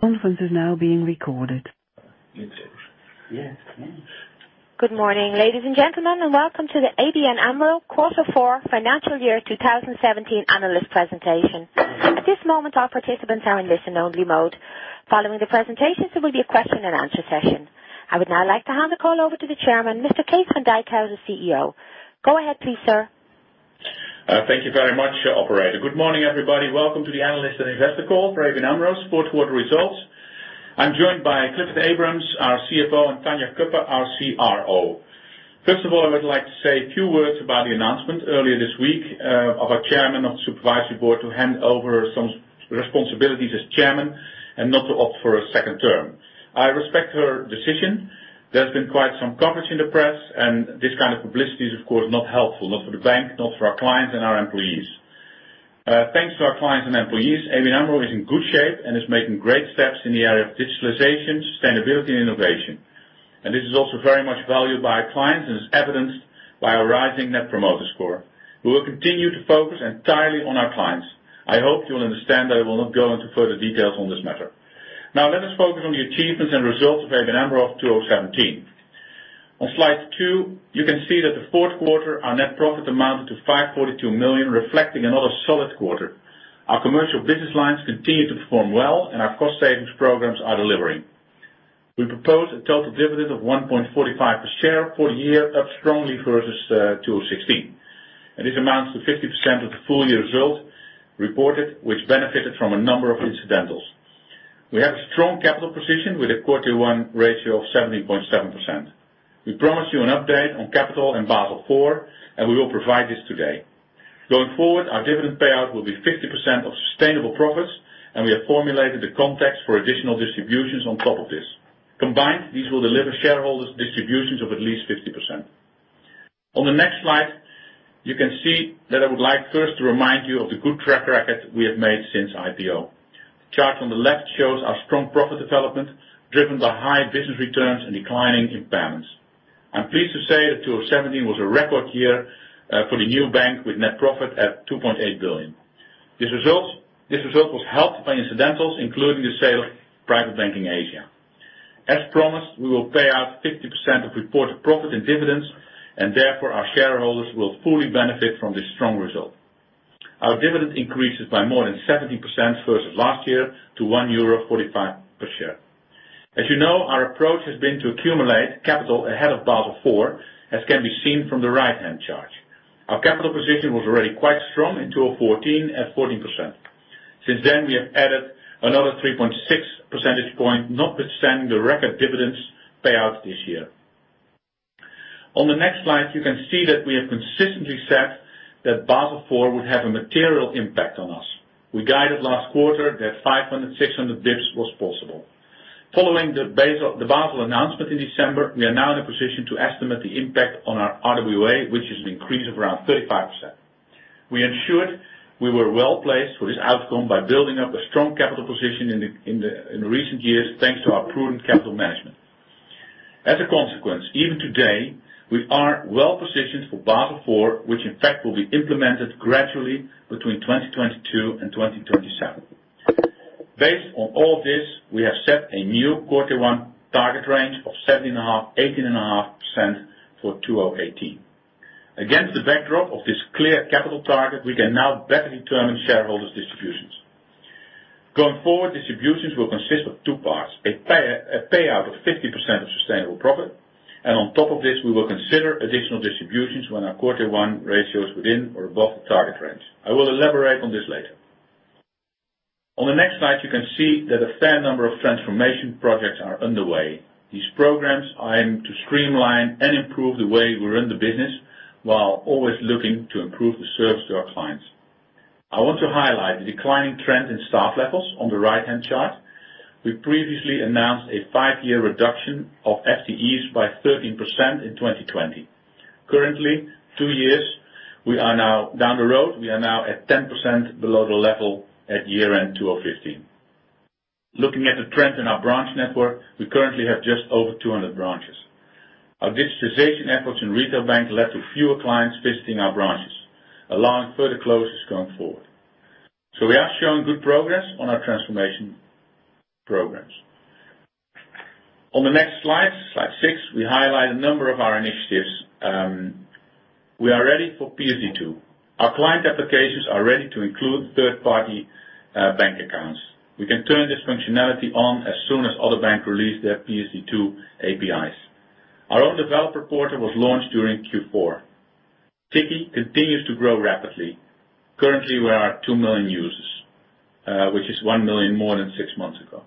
Good morning, ladies and gentlemen, welcome to the ABN AMRO Quarter Four Financial Year 2017 analyst presentation. At this moment, all participants are in listen-only mode. Following the presentation, there will be a question and answer session. I would now like to hand the call over to the chairman, Mr. Kees van Dijkhuizen, the CEO. Go ahead please, sir. Thank you very much, operator. Good morning, everybody. Welcome to the analyst and investor call for ABN AMRO fourth quarter results. I am joined by Clifford Abrahams, our CFO, Tanja Cuppen, our CRO. First of all, I would like to say a few words about the announcement earlier this week of our chairman of the supervisory board to hand over some responsibilities as chairman not to opt for a second term. I respect her decision. There has been quite some coverage in the press, this kind of publicity is, of course, not helpful, not for the bank, not for our clients our employees. Thanks to our clients employees, ABN AMRO is in good shape is making great steps in the area of digitalization, sustainability, innovation. This is also very much valued by our clients is evidenced by our rising net promoter score. We will continue to focus entirely on our clients. I hope you will understand that I will not go into further details on this matter. Now let us focus on the achievements results of ABN AMRO of 2017. On slide two, you can see that the fourth quarter, our net profit amounted to 542 million, reflecting another solid quarter. Our commercial business lines continue to perform well, our cost-savings programs are delivering. We propose a total dividend of 1.45 per share for the year, up strongly versus 2016. This amounts to 50% of the full-year result reported, which benefited from a number of incidentals. We have a strong capital position with a CET1 ratio of 17.7%. We promised you an update on capital Basel IV, we will provide this today. Going forward, our dividend payout will be 50% of sustainable profits, and we have formulated the context for additional distributions on top of this. Combined, these will deliver shareholders distributions of at least 50%. On the next slide, you can see that I would like first to remind you of the good track record we have made since IPO. The chart on the left shows our strong profit development, driven by high business returns and declining impairments. I'm pleased to say that 2017 was a record year for the new bank with net profit at 2.8 billion. This result was helped by incidentals, including the sale of Private Banking Asia. As promised, we will pay out 50% of reported profit and dividends, and therefore, our shareholders will fully benefit from this strong result. Our dividend increases by more than 70% versus last year to 1.45 euro per share. As you know, our approach has been to accumulate capital ahead of Basel IV, as can be seen from the right-hand chart. Our capital position was already quite strong in 2014 at 14%. Since then, we have added another 3.6 percentage point, not withstanding the record dividends payouts this year. On the next slide, you can see that we have consistently said that Basel IV would have a material impact on us. We guided last quarter that 500, 600 basis points was possible. Following the Basel announcement in December, we are now in a position to estimate the impact on our RWA, which is an increase of around 35%. We ensured we were well-placed for this outcome by building up a strong capital position in recent years, thanks to our prudent capital management. As a consequence, even today, we are well-positioned for Basel IV, which in fact will be implemented gradually between 2022 and 2027. Based on all this, we have set a new CET1 target range of 17.5%-18.5% for 2018. Against the backdrop of this clear capital target, we can now better determine shareholders' distributions. Going forward, distributions will consist of two parts: a payout of 50% of sustainable profit, and on top of this, we will consider additional distributions when our Quarter 1 ratio is within or above the target range. I will elaborate on this later. On the next slide, you can see that a fair number of transformation projects are underway. These programs aim to streamline and improve the way we run the business while always looking to improve the service to our clients. I want to highlight the declining trend in staff levels on the right-hand chart. We previously announced a five-year reduction of FTEs by 13% in 2020. Currently, two years we are now down the road, we are now at 10% below the level at year-end 2015. Looking at the trend in our branch network, we currently have just over 200 branches. Our digitization efforts in retail bank led to fewer clients visiting our branches, allowing further closures going forward. We are showing good progress on our transformation programs. On the next slide six, we highlight a number of our initiatives. We are ready for PSD2. Our client applications are ready to include third-party bank accounts. We can turn this functionality on as soon as other banks release their PSD2 APIs. Our own developer portal was launched during Q4. Tikkie continues to grow rapidly. Currently, we are at 2 million users, which is 1 million more than 6 months ago.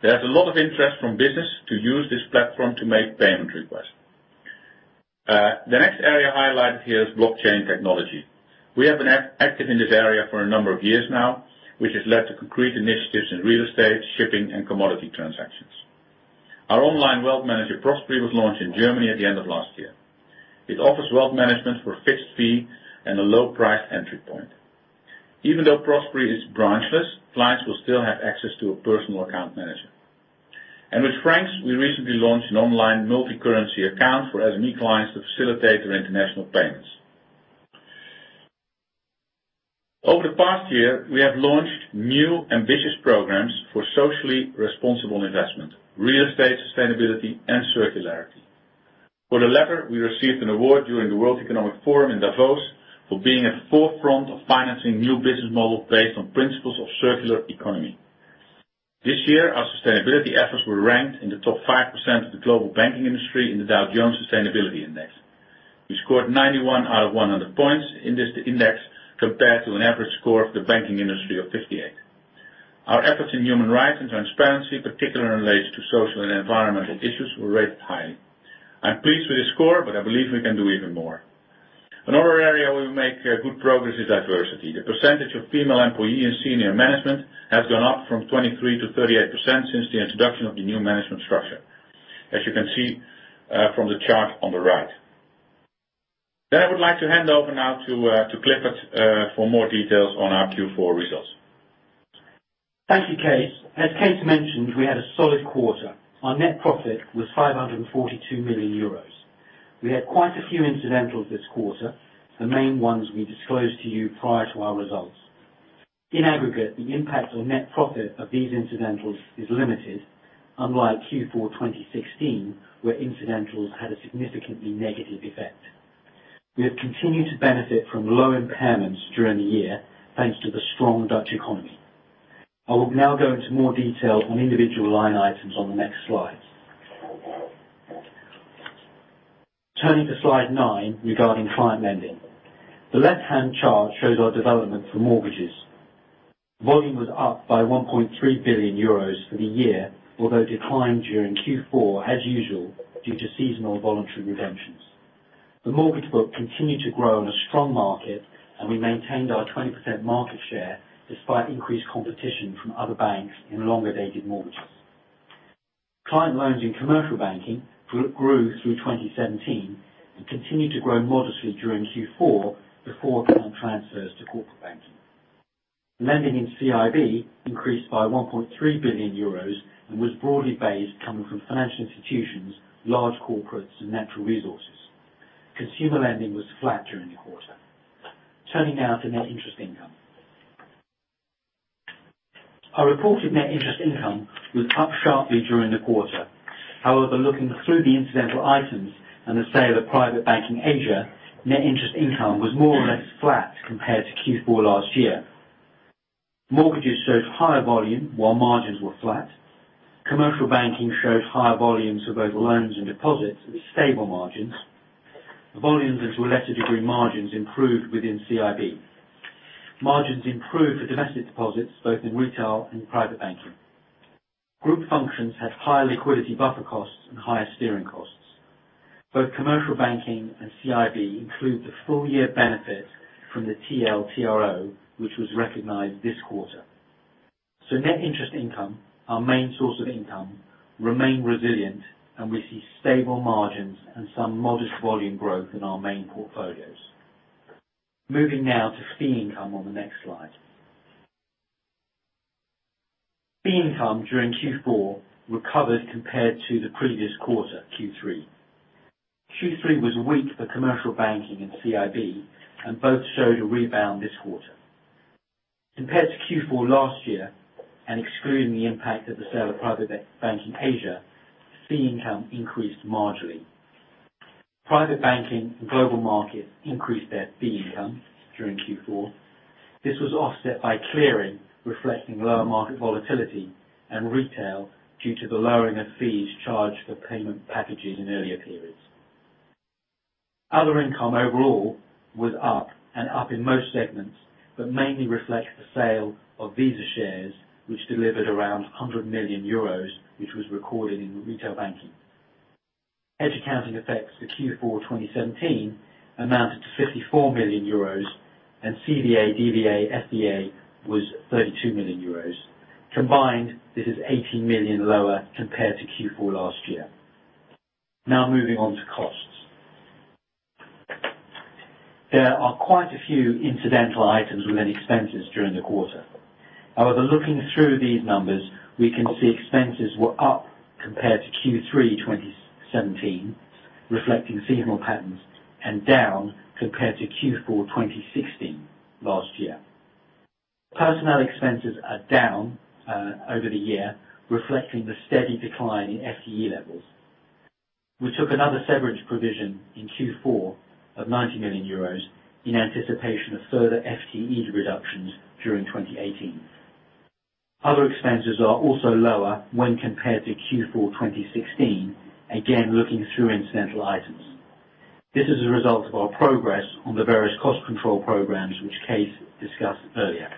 There is a lot of interest from business to use this platform to make payment requests. The next area highlighted here is blockchain technology. We have been active in this area for a number of years now, which has led to concrete initiatives in real estate, shipping, and commodity transactions. Our online wealth manager, Prospery, was launched in Germany at the end of last year. It offers wealth management for a fixed fee and a low-price entry point. Even though Prospery is branchless, clients will still have access to a personal account manager. With Franx, we recently launched an online multi-currency account for SME clients to facilitate their international payments. Over the past year, we have launched new ambitious programs for socially responsible investment, real estate sustainability, and circularity. For the latter, we received an award during the World Economic Forum in Davos for being at the forefront of financing new business models based on principles of circular economy. This year, our sustainability efforts were ranked in the top 5% of the global banking industry in the Dow Jones Sustainability Index. We scored 91 out of 100 points in this index compared to an average score of the banking industry of 58. Our efforts in human rights and transparency, particularly in relation to social and environmental issues, were rated highly. I am pleased with the score, but I believe we can do even more. Another area where we make good progress is diversity. The percentage of female employees in senior management has gone up from 23% to 38% since the introduction of the new management structure, as you can see from the chart on the right. I would like to hand over now to Clifford for more details on our Q4 results. Thank you, Kees. As Kees mentioned, we had a solid quarter. Our net profit was 542 million euros. We had quite a few incidentals this quarter, the main ones we disclosed to you prior to our results. In aggregate, the impact on net profit of these incidentals is limited, unlike Q4 2016, where incidentals had a significantly negative effect. We have continued to benefit from low impairments during the year, thanks to the strong Dutch economy. I will now go into more detail on individual line items on the next slides. Turning to slide nine regarding client lending. The left-hand chart shows our development for mortgages. Volume was up by 1.3 billion euros for the year, although declined during Q4 as usual, due to seasonal voluntary redemptions. The mortgage book continued to grow in a strong market, we maintained our 20% market share despite increased competition from other banks in longer-dated mortgages. Client loans in commercial banking grew through 2017 and continued to grow modestly during Q4 before planned transfers to corporate banking. Lending in CIB increased by 1.3 billion euros and was broadly based, coming from financial institutions, large corporates, and natural resources. Consumer lending was flat during the quarter. Turning now to net interest income. Our reported net interest income was up sharply during the quarter. However, looking through the incidental items and the sale of Private Banking Asia, net interest income was more or less flat compared to Q4 last year. Mortgages showed higher volume while margins were flat. Commercial banking showed higher volumes for both loans and deposits with stable margins. Volumes and, to a lesser degree, margins improved within CIB. Margins improved for domestic deposits both in retail and private banking. Group functions had higher liquidity buffer costs and higher steering costs. Both commercial banking and CIB include the full-year benefit from the TLTRO, which was recognized this quarter. Net interest income, our main source of income, remained resilient, we see stable margins and some modest volume growth in our main portfolios. Moving now to fee income on the next slide. Fee income during Q4 recovered compared to the previous quarter, Q3. Q3 was weak for commercial banking and CIB, both showed a rebound this quarter. Compared to Q4 last year, excluding the impact of the sale of Private Banking Asia, fee income increased marginally. Private banking and global markets increased their fee income during Q4. This was offset by clearing, reflecting lower market volatility and retail due to the lowering of fees charged for payment packages in earlier periods. Other income overall was up and up in most segments, but mainly reflects the sale of Visa shares, which delivered around 100 million euros, which was recorded in retail banking. Hedge accounting effects for Q4 2017 amounted to 54 million euros, CVA, DVA, FVA was 32 million euros. Combined, this is 18 million lower compared to Q4 last year. Moving on to costs. There are quite a few incidental items within expenses during the quarter. However, looking through these numbers, we can see expenses were up compared to Q3 2017, reflecting seasonal patterns, down compared to Q4 2016, last year. Personnel expenses are down over the year, reflecting the steady decline in FTE levels. We took another severance provision in Q4 of 90 million euros in anticipation of further FTE reductions during 2018. Other expenses are also lower when compared to Q4 2016, again, looking through incidental items. This is a result of our progress on the various cost control programs, which Kees discussed earlier.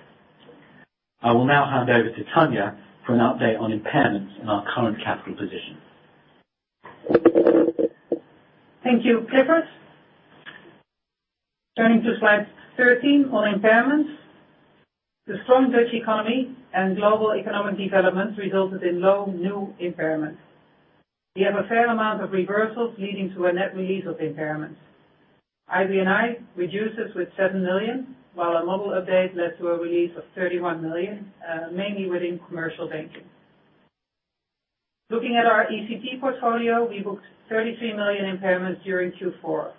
I will now hand over to Tanja for an update on impairments in our current capital position. Thank you, Clifford. Turning to slide 13 on impairments. The strong Dutch economy and global economic developments resulted in low new impairments. We have a fair amount of reversals leading to a net release of impairments. IBNI reduces with 7 million, while a model update led to a release of 31 million, mainly within commercial banking. Looking at our ECT portfolio, we booked 33 million impairments during Q4.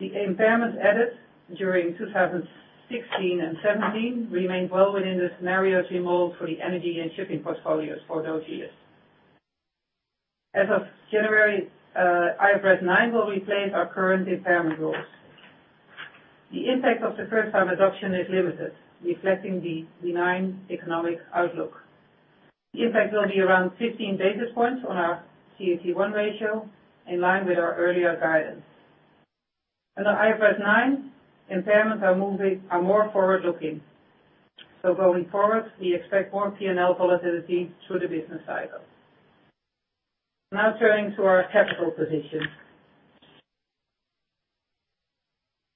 The impairment edits during 2016 and 2017 remain well within the scenarios we modeled for the energy and shipping portfolios for those years. As of January, IFRS 9 will replace our current impairment rules. The impact of the first-time adoption is limited, reflecting the benign economic outlook. The impact will be around 15 basis points on our CET1 ratio, in line with our earlier guidance. Under IFRS 9, impairments are more forward-looking. Going forward, we expect more P&L volatility through the business cycle. Turning to our capital position.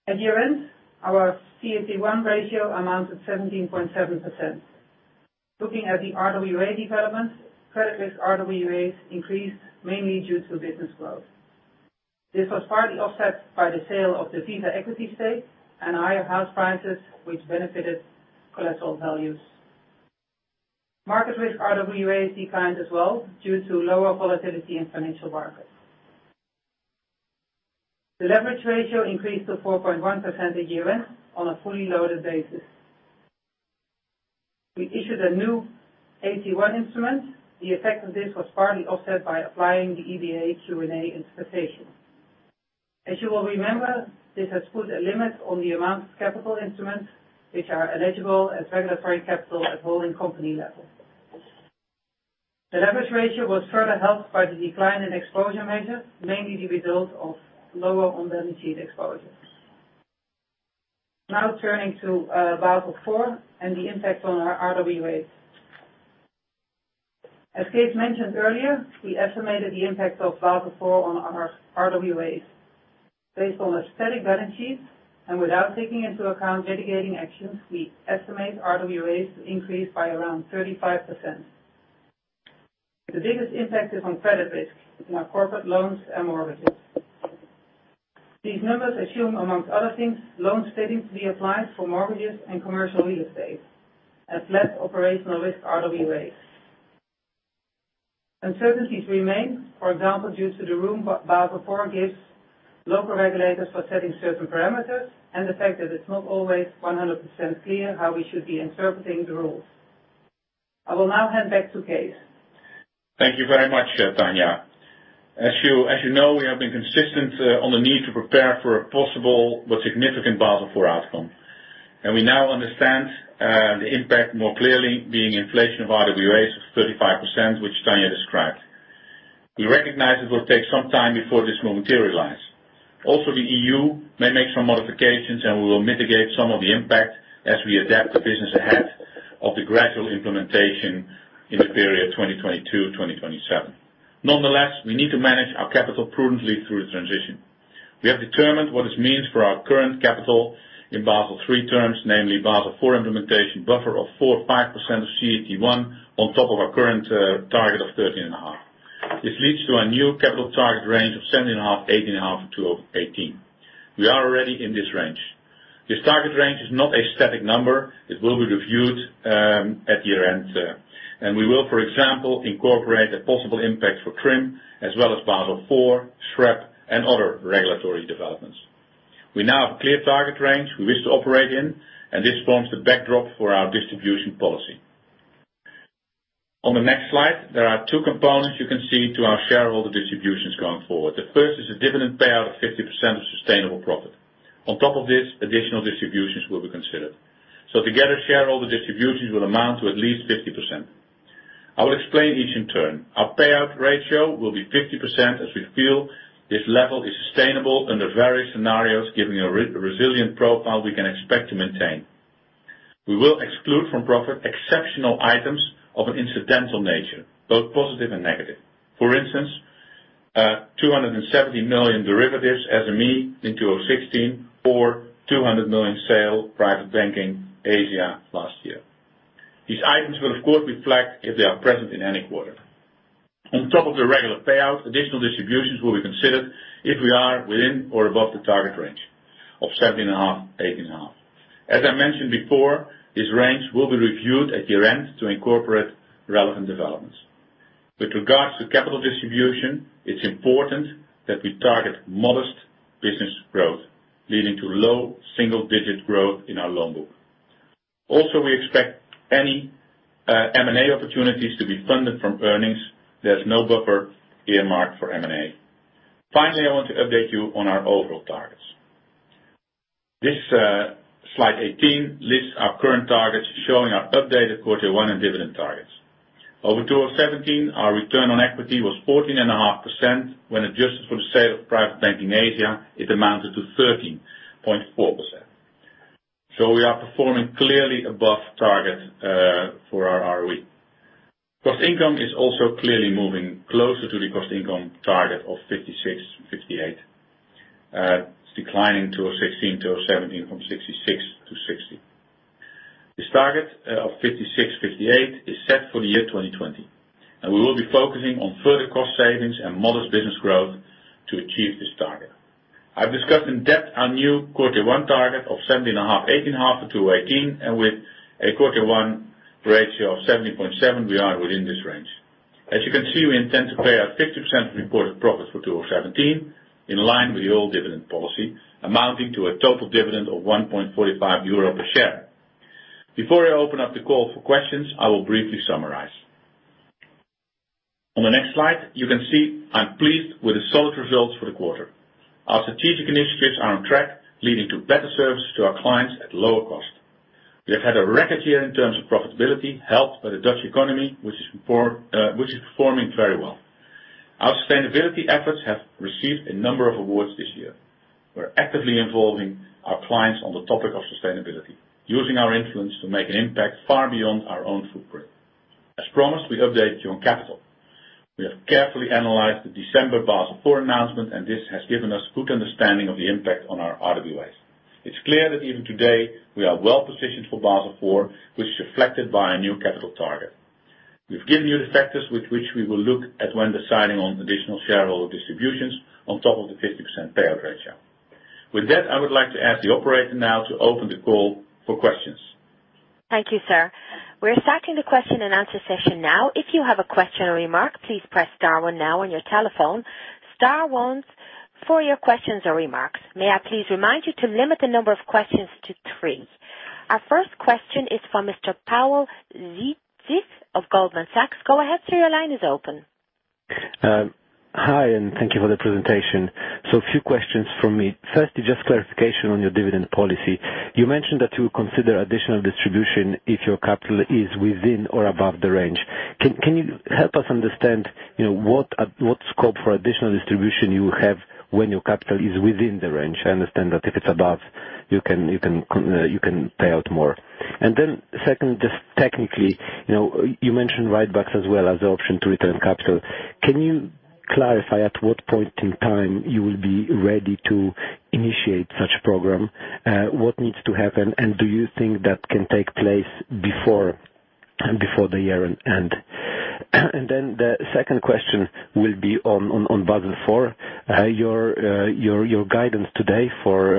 At year-end, our CET1 ratio amounted to 17.7%. Looking at the RWA developments, credit risk RWAs increased mainly due to business growth. This was partly offset by the sale of the Visa equity stake and higher house prices, which benefited collateral values. Market risk RWAs declined as well due to lower volatility in financial markets. The leverage ratio increased to 4.1% at year-end on a fully loaded basis. We issued a new AT1 instrument. The effect of this was partly offset by applying the EBA Q&A interpretation. As you will remember, this has put a limit on the amount of capital instruments which are eligible as regulatory capital at holding company level. The leverage ratio was further helped by the decline in exposure measures, mainly the result of lower on-balance-sheet exposures. Turning to Basel IV and the impact on our RWAs. As Kees mentioned earlier, we estimated the impact of Basel IV on our RWAs. Based on a steady balance sheet and without taking into account mitigating actions, we estimate RWAs to increase by around 35%. The biggest impact is on credit risk in our corporate loans and mortgages. These numbers assume, amongst other things, loan splitting to be applied for mortgages and commercial real estate as less operational risk RWAs. Uncertainties remain, for example, due to the room Basel IV gives local regulators for setting certain parameters and the fact that it's not always 100% clear how we should be interpreting the rules. I will now hand back to Kees. Thank you very much, Tanja. As you know, we have been consistent on the need to prepare for a possible but significant Basel IV outcome. We now understand the impact more clearly, being inflation of RWAs of 35%, which Tanja described. We recognize it will take some time before this will materialize. Also, the EU may make some modifications, and we will mitigate some of the impact as we adapt the business ahead of the gradual implementation in the period 2022-2027. Nonetheless, we need to manage our capital prudently through the transition. We have determined what this means for our current capital in Basel III terms, namely Basel IV implementation buffer of 4% or 5% of CET1 on top of our current target of 13.5%. This leads to a new capital target range of 17.5%-18.5% for 2018. We are already in this range. This target range is not a static number. It will be reviewed at year-end. We will, for example, incorporate a possible impact for TRIM, as well as Basel IV, SREP, and other regulatory developments. We now have a clear target range we wish to operate in. This forms the backdrop for our distribution policy. On the next slide, there are two components you can see to our shareholder distributions going forward. The first is a dividend payout of 50% of sustainable profit. On top of this, additional distributions will be considered. Together, shareholder distributions will amount to at least 50%. I will explain each in turn. Our payout ratio will be 50%, as we feel this level is sustainable under various scenarios, giving a resilient profile we can expect to maintain. We will exclude from profit exceptional items of an incidental nature, both positive and negative. For instance, 270 million derivatives SME in 2016 or 200 million sale Private Banking Asia last year. These items will, of course, reflect if they are present in any quarter. On top of the regular payout, additional distributions will be considered if we are within or above the target range of 17.5%-18.5%. As I mentioned before, this range will be reviewed at year-end to incorporate relevant developments. With regards to capital distribution, it's important that we target modest business growth, leading to low single-digit growth in our loan book. Also, we expect any M&A opportunities to be funded from earnings. There's no buffer earmarked for M&A. Finally, I want to update you on our overall targets. This slide 18 lists our current targets, showing our updated CET1 and dividend targets. Over 2017, our return on equity was 14.5%. When adjusted for the sale of Private Banking Asia, it amounted to 13.4%. We are performing clearly above target for our ROE. Cost income is also clearly moving closer to the cost income target of 56%-58%, declining 2016 to 2017 from 66% to 60%. This target of 56%-58% is set for the year 2020. We will be focusing on further cost savings and modest business growth to achieve this target. I've discussed in depth our new CET1 target of 17.5%-18.5% for 2018. With a quarter one ratio of 17.7%, we are within this range. As you can see, we intend to pay out 50% reported profit for 2017, in line with the old dividend policy, amounting to a total dividend of 1.45 euro per share. Before I open up the call for questions, I will briefly summarize. On the next slide, you can see I'm pleased with the solid results for the quarter. Our strategic initiatives are on track, leading to better service to our clients at lower cost. We have had a record year in terms of profitability, helped by the Dutch economy, which is performing very well. Our sustainability efforts have received a number of awards this year. We're actively involving our clients on the topic of sustainability, using our influence to make an impact far beyond our own footprint. As promised, we updated you on capital. We have carefully analyzed the December Basel IV announcement. This has given us good understanding of the impact on our RWAs. It's clear that even today, we are well-positioned for Basel IV, which is reflected by our new capital target. We've given you the factors with which we will look at when deciding on additional shareholder distributions on top of the 50% payout ratio. With that, I would like to ask the operator now to open the call for questions. Thank you, sir. We're starting the question and answer session now. If you have a question or remark, please press star one now on your telephone. Star one for your questions or remarks. May I please remind you to limit the number of questions to three. Our first question is from Mr. Pawel Dziedzic of Goldman Sachs. Go ahead, sir. Your line is open. Hi. Thank you for the presentation. A few questions from me. First, just clarification on your dividend policy. You mentioned that you consider additional distribution if your capital is within or above the range. Can you help us understand what scope for additional distribution you have when your capital is within the range? I understand that if it's above, you can pay out more. Second, just technically, you mentioned buybacks as well as the option to return capital. Can you clarify at what point in time you will be ready to initiate such a program? What needs to happen, and do you think that can take place before the year end? The second question will be on Basel IV. Your guidance today for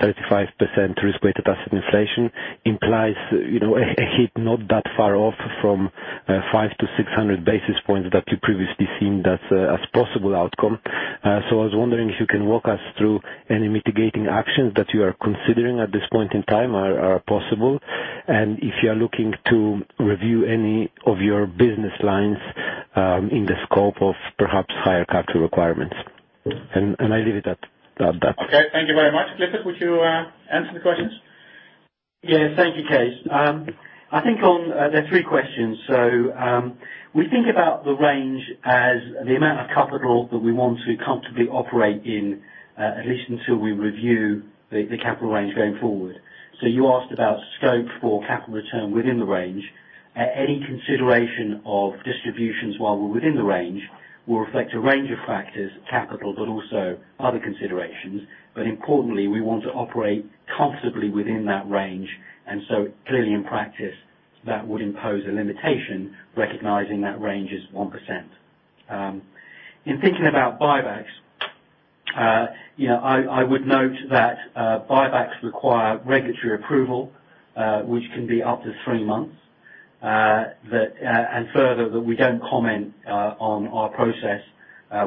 35% risk-weighted asset inflation implies a hit not that far off from 500-600 basis points that you previously seen as possible outcome. I was wondering if you can walk us through any mitigating actions that you are considering at this point in time are possible, and if you're looking to review any of your business lines in the scope of perhaps higher capital requirements. I leave it at that. Okay. Thank you very much. Clifford, would you answer the questions? Yes. Thank you, Kees. There are three questions. We think about the range as the amount of capital that we want to comfortably operate in, at least until we review the capital range going forward. You asked about scope for capital return within the range. Any consideration of distributions while we're within the range will reflect a range of factors, capital, but also other considerations. Importantly, we want to operate comfortably within that range, so clearly in practice, that would impose a limitation, recognizing that range is 1%. In thinking about buybacks, I would note that buybacks require regulatory approval, which can be up to three months. Further, that we don't comment on our process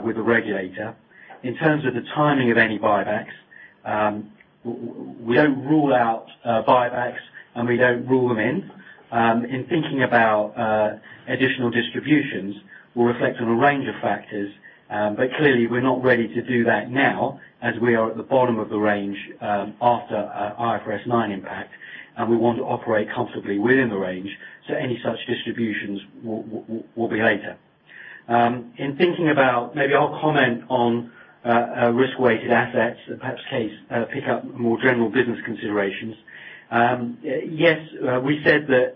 with the regulator. In terms of the timing of any buybacks, we don't rule out buybacks, and we don't rule them in. In thinking about additional distributions, we'll reflect on a range of factors. Clearly, we're not ready to do that now as we are at the bottom of the range after IFRS 9 impact, and we want to operate comfortably within the range, so any such distributions will be later. Maybe I'll comment on risk-weighted assets, and perhaps Kees pick up more general business considerations. We said that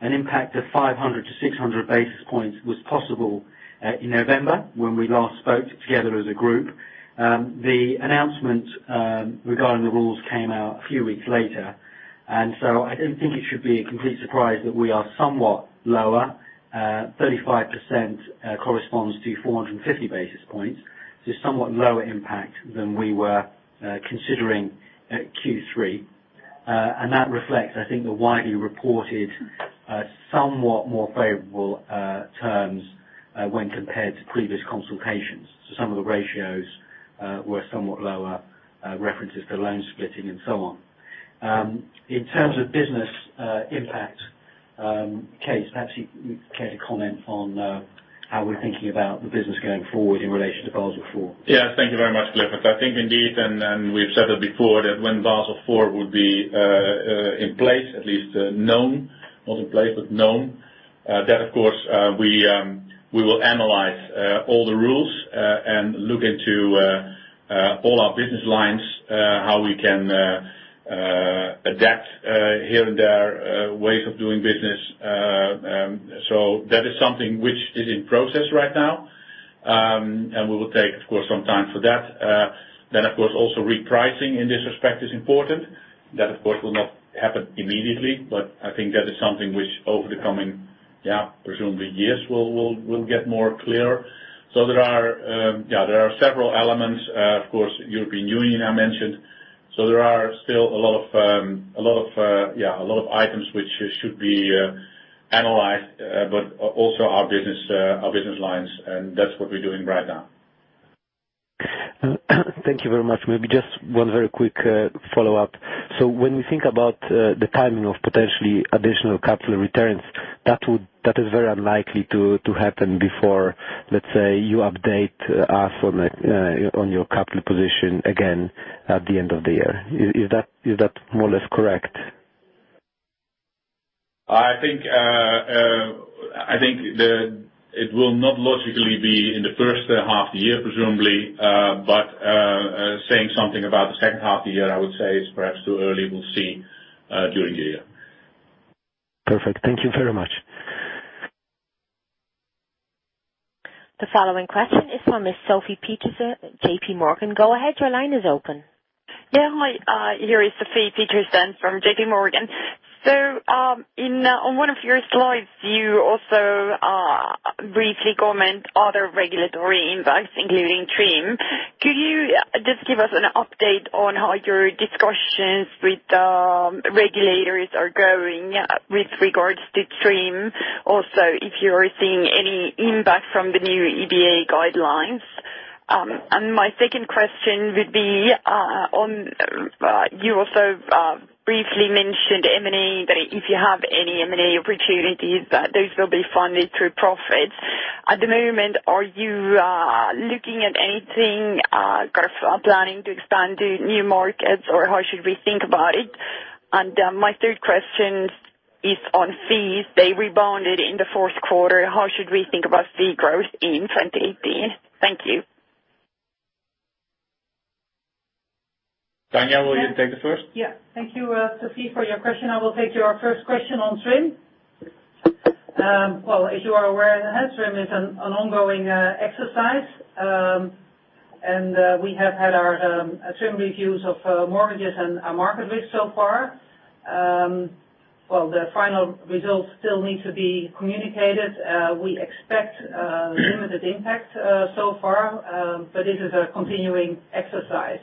an impact of 500-600 basis points was possible in November when we last spoke together as a group. The announcement regarding the rules came out a few weeks later, so I don't think it should be a complete surprise that we are somewhat lower. 35% corresponds to 450 basis points. Somewhat lower impact than we were considering at Q3. That reflects, I think, the widely reported, somewhat more favorable terms when compared to previous consultations. Some of the ratios were somewhat lower, references to loan splitting and so on. In terms of business impact, Kees, perhaps you care to comment on how we're thinking about the business going forward in relation to Basel IV. Yes. Thank you very much, Clifford. I think indeed, we've said it before, that when Basel IV would be in place, at least known, not in place, but known, that of course we will analyze all the rules, look into all our business lines, how we can adapt here and there ways of doing business. That is something which is in process right now. We will take, of course, some time for that. Of course, also repricing in this respect is important. That, of course, will not happen immediately, but I think that is something which over the coming presumably years we'll get more clear. There are several elements, of course, European Union I mentioned. There are still a lot of items which should be analyzed, but also our business lines, and that's what we're doing right now. Thank you very much. Maybe just one very quick follow-up. When we think about the timing of potentially additional capital returns, that is very unlikely to happen before, let's say, you update us on your capital position again at the end of the year. Is that more or less correct? I think it will not logically be in the first half of the year, presumably. Saying something about the second half of the year, I would say, is perhaps too early. We'll see during the year. Perfect. Thank you very much. The following question is from Ms. Sofie Peterzens, JPMorgan. Go ahead, your line is open. Yeah. Hi, here is Sofie Peterzens from JPMorgan. On one of your slides, you also briefly comment other regulatory impacts, including TRIM. Could you just give us an update on how your discussions with regulators are going with regards to TRIM? Also, if you are seeing any impact from the new EBA guidelines. My second question would be, you also briefly mentioned M&A, that if you have any M&A opportunities, that those will be funded through profits. At the moment, are you looking at anything, planning to expand to new markets, or how should we think about it? My third question is on fees. They rebounded in the fourth quarter. How should we think about fee growth in 2018? Thank you. Tanja, will you take the first? Yeah. Thank you, Sofie, for your question. I will take your first question on TRIM. Well, as you are aware, TRIM is an ongoing exercise. We have had our TRIM reviews of mortgages and market risk so far. Well, the final results still need to be communicated. We expect limited impact so far, but this is a continuing exercise.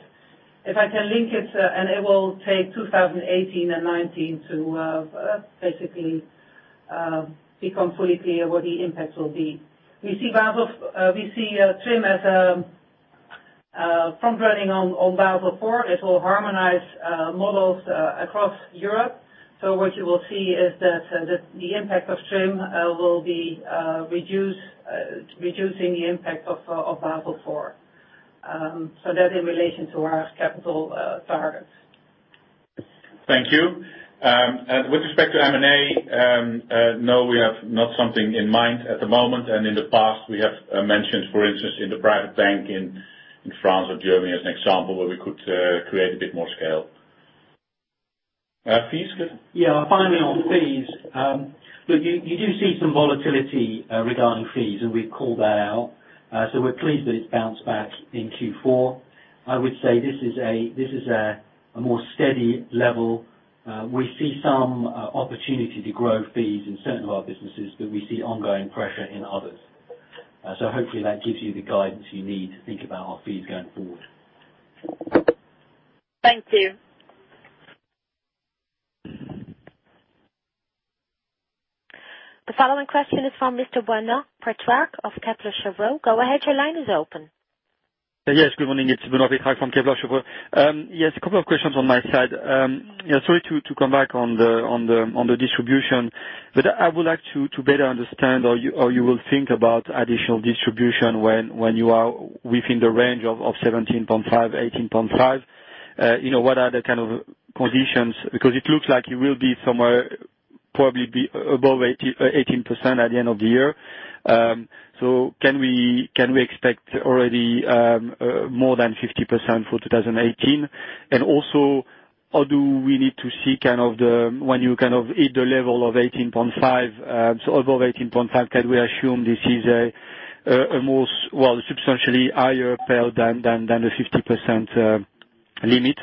If I can link it will take 2018 and 2019 to basically become fully clear what the impacts will be. We see TRIM as front-running on Basel IV. It will harmonize models across Europe. What you will see is that the impact of TRIM will be reducing the impact of Basel IV. That in relation to our capital targets. Thank you. With respect to M&A, no, we have not something in mind at the moment. In the past, we have mentioned, for instance, in the private bank in France or Germany as an example, where we could create a bit more scale. Fees, Clifford? Yeah. Finally, on fees. Look, you do see some volatility regarding fees, we've called that out. We're pleased that it's bounced back in Q4. I would say this is a more steady level. We see some opportunity to grow fees in certain of our businesses, we see ongoing pressure in others. Hopefully that gives you the guidance you need to think about our fees going forward. Thank you. The following question is from Mr. Benoît Pétrarque of Kepler Cheuvreux. Go ahead, your line is open. Yes, good morning. It's Benoît Pétrarque from Kepler Cheuvreux. A couple of questions on my side. Sorry to come back on the distribution, I would like to better understand how you will think about additional distribution when you are within the range of 17.5, 18.5. What are the kind of positions? It looks like it will be somewhere probably above 18% at the end of the year. Can we expect already more than 50% for 2018? Also, how do we need to see when you hit the level of 18.5, above 18.5, can we assume this is a substantially higher Pillar than the 50% limit?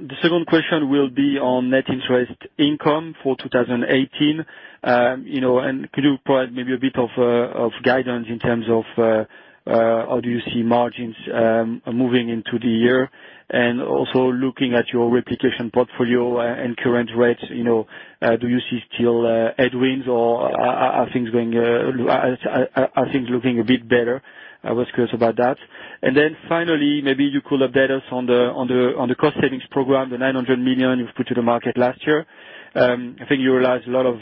The second question will be on net interest income for 2018. Could you provide maybe a bit of guidance in terms of how do you see margins moving into the year? Looking at your replication portfolio and current rates, do you see still headwinds or are things looking a bit better? I was curious about that. Finally, maybe you could update us on the cost savings program, the 900 million you've put to the market last year. I think you realized a lot of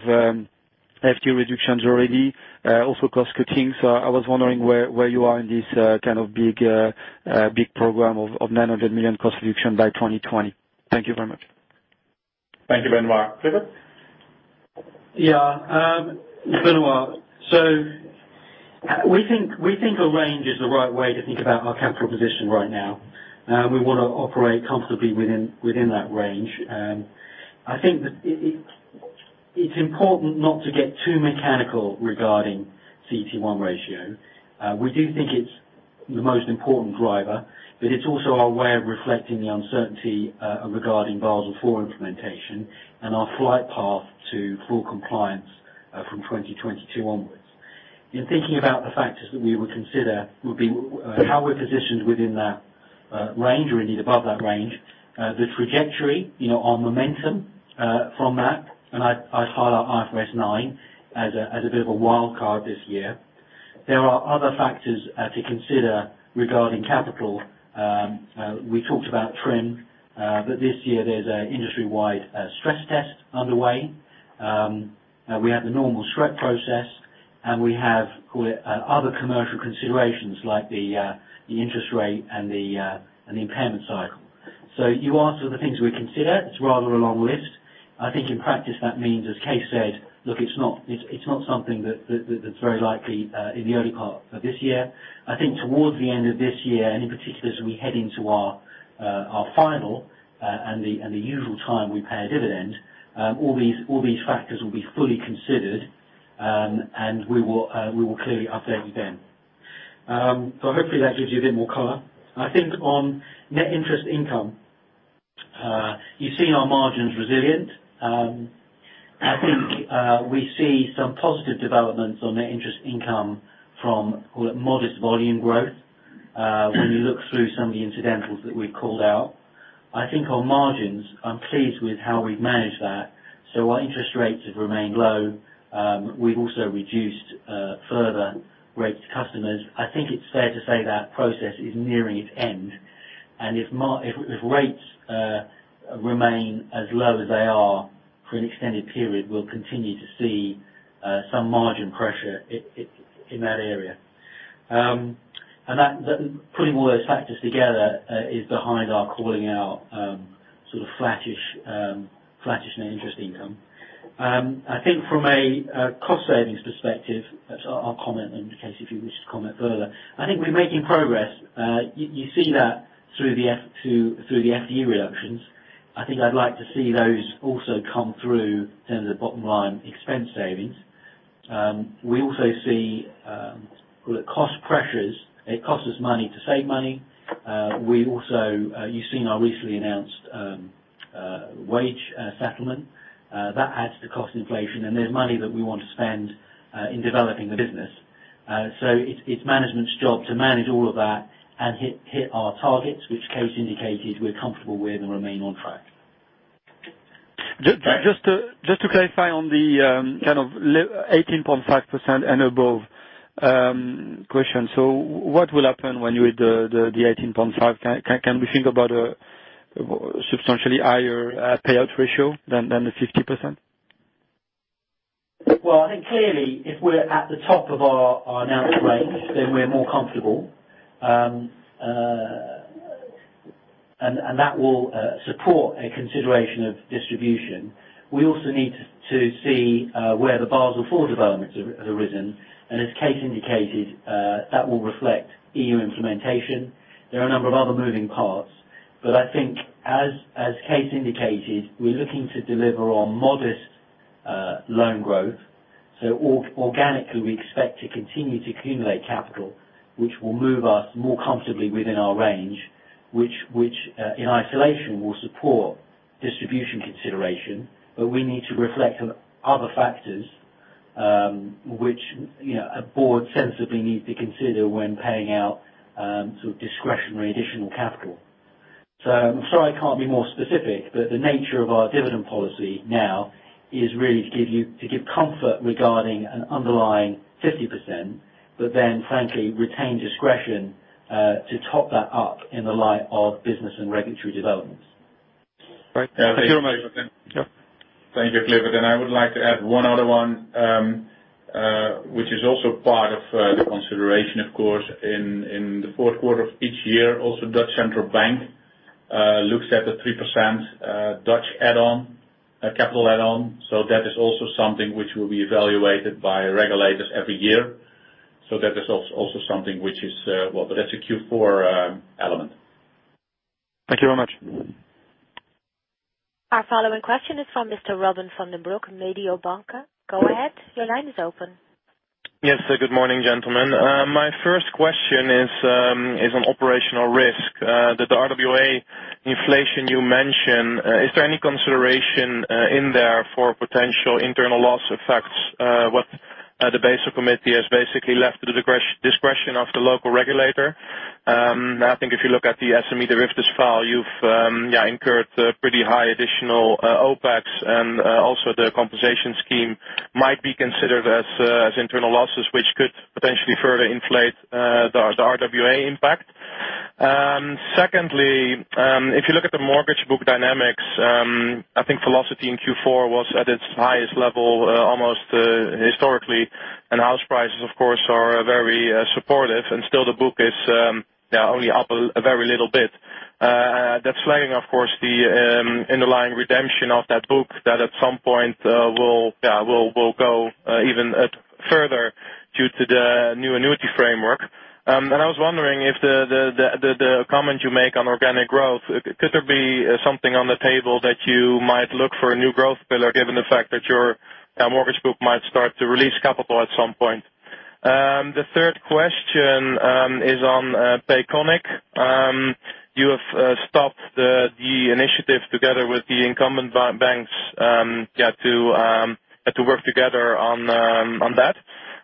FTE reductions already, also cost cutting. I was wondering where you are in this big program of 900 million cost reduction by 2020. Thank you very much. Thank you, Benoît. Clifford? Benoît. We think a range is the right way to think about our capital position right now. We want to operate comfortably within that range. I think it's important not to get too mechanical regarding CET1 ratio. We do think it's the most important driver, it's also our way of reflecting the uncertainty regarding Basel IV implementation and our flight path to full compliance from 2022 onwards. In thinking about the factors that we would consider would be how we're positioned within that range, or indeed above that range. The trajectory, our momentum from that, I'd highlight IFRS 9 as a bit of a wild card this year. There are other factors to consider regarding capital. We talked about TRIM, this year there's an industry-wide stress test underway. We have the normal SREP process, and we have other commercial considerations like the interest rate and the impairment cycle. You asked what are the things we consider. It's rather a long list. I think in practice, that means, as Kees said, look, it's not something that's very likely in the early part of this year. I think towards the end of this year, and in particular, as we head into our final and the usual time we pay a dividend, all these factors will be fully considered, and we will clearly update you then. Hopefully that gives you a bit more color. I think on net interest income, you've seen our margins resilient. I think we see some positive developments on net interest income from modest volume growth. When you look through some of the incidentals that we called out. I think on margins, I'm pleased with how we've managed that. Our interest rates have remained low. We've also reduced further rates to customers. I think it's fair to say that process is nearing its end, and if rates remain as low as they are for an extended period, we'll continue to see some margin pressure in that area. Putting all those factors together is behind our calling out flattish net interest income. I think from a cost savings perspective, I'll comment, and Kees, if you wish to comment further. I think we're making progress. You see that through the FTE reductions. I think I'd like to see those also come through in the bottom line expense savings. We also see cost pressures. It costs us money to save money. You've seen our recently announced wage settlement. That adds to cost inflation, and there's money that we want to spend in developing the business. It's management's job to manage all of that and hit our targets, which Kees indicated we're comfortable with and remain on track. Just to clarify on the 18.5% and above question. What will happen when you hit the 18.5%? Can we think about a substantially higher payout ratio than the 50%? I think clearly if we're at the top of our announced range, then we're more comfortable. That will support a consideration of distribution. We also need to see where the Basel IV developments have arisen. As Kees indicated, that will reflect EU implementation. There are a number of other moving parts. I think as Kees indicated, we're looking to deliver on modest loan growth. Organically, we expect to continue to accumulate capital, which will move us more comfortably within our range, which in isolation will support distribution consideration. We need to reflect on other factors, which a board sensibly needs to consider when paying out discretionary additional capital. I'm sorry I can't be more specific, but the nature of our dividend policy now is really to give comfort regarding an underlying 50%, frankly, retain discretion to top that up in the light of business and regulatory developments. Right. Thank you. Thank you, Clifford. I would like to add one other one, which is also part of the consideration, of course, in the fourth quarter of each year. Also, Dutch Central Bank looks at the 3% Dutch add-on, capital add-on. That is also something which will be evaluated by regulators every year. That is also something. Well, that's a Q4 element. Thank you very much. Our following question is from Mr. Robin van den Broek, Mediobanca. Go ahead. Your line is open. Yes. Good morning, gentlemen. My first question is on operational risk. The RWA inflation you mentioned, is there any consideration in there for potential internal loss effects? What the Basel Committee has basically left to the discretion of the local regulator. I think if you look at the SME derivatives file, you've incurred a pretty high additional OpEx. Also the compensation scheme might be considered as internal losses, which could potentially further inflate the RWA impact. Secondly, if you look at the mortgage book dynamics, I think velocity in Q4 was at its highest level almost historically, and house prices, of course, are very supportive, and still the book is only up a very little bit. That's flagging, of course, the underlying redemption of that book that at some point will go even further due to the new annuity framework. I was wondering if the comment you made. Could there be something on the table that you might look for a new growth pillar, given the fact that your mortgage book might start to release capital at some point? The third question is on Payconiq. You have stopped the initiative together with the incumbent banks to work together on that.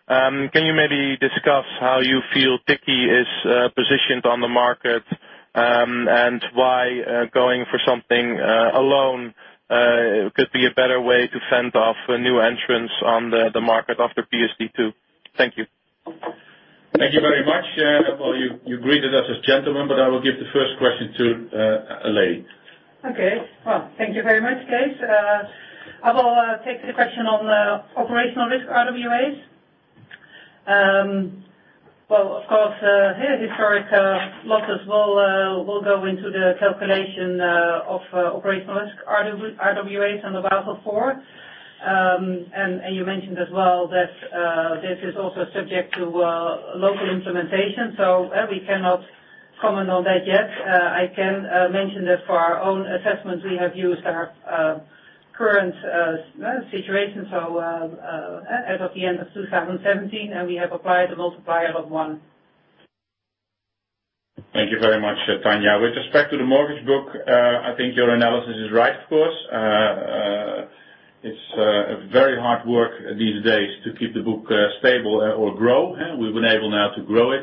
Can you maybe discuss how you feel Tikkie is positioned on the market, and why going for something alone could be a better way to fend off new entrants on the market after PSD2? Thank you. Thank you very much. Well, you greeted us as gentlemen, I will give the first question to a lady. Okay. Well, thank you very much, Kees. I will take the question on the operational risk RWAs. Well, of course, historic losses will go into the calculation of operational risk RWAs on the Basel IV. You mentioned as well that this is also subject to local implementation, we cannot comment on that yet. I can mention that for our own assessment, we have used our current situation, as of the end of 2017, we have applied a multiplier of one. Thank you very much, Tanja. With respect to the mortgage book, I think your analysis is right, of course. It's very hard work these days to keep the book stable or grow. We've been able now to grow it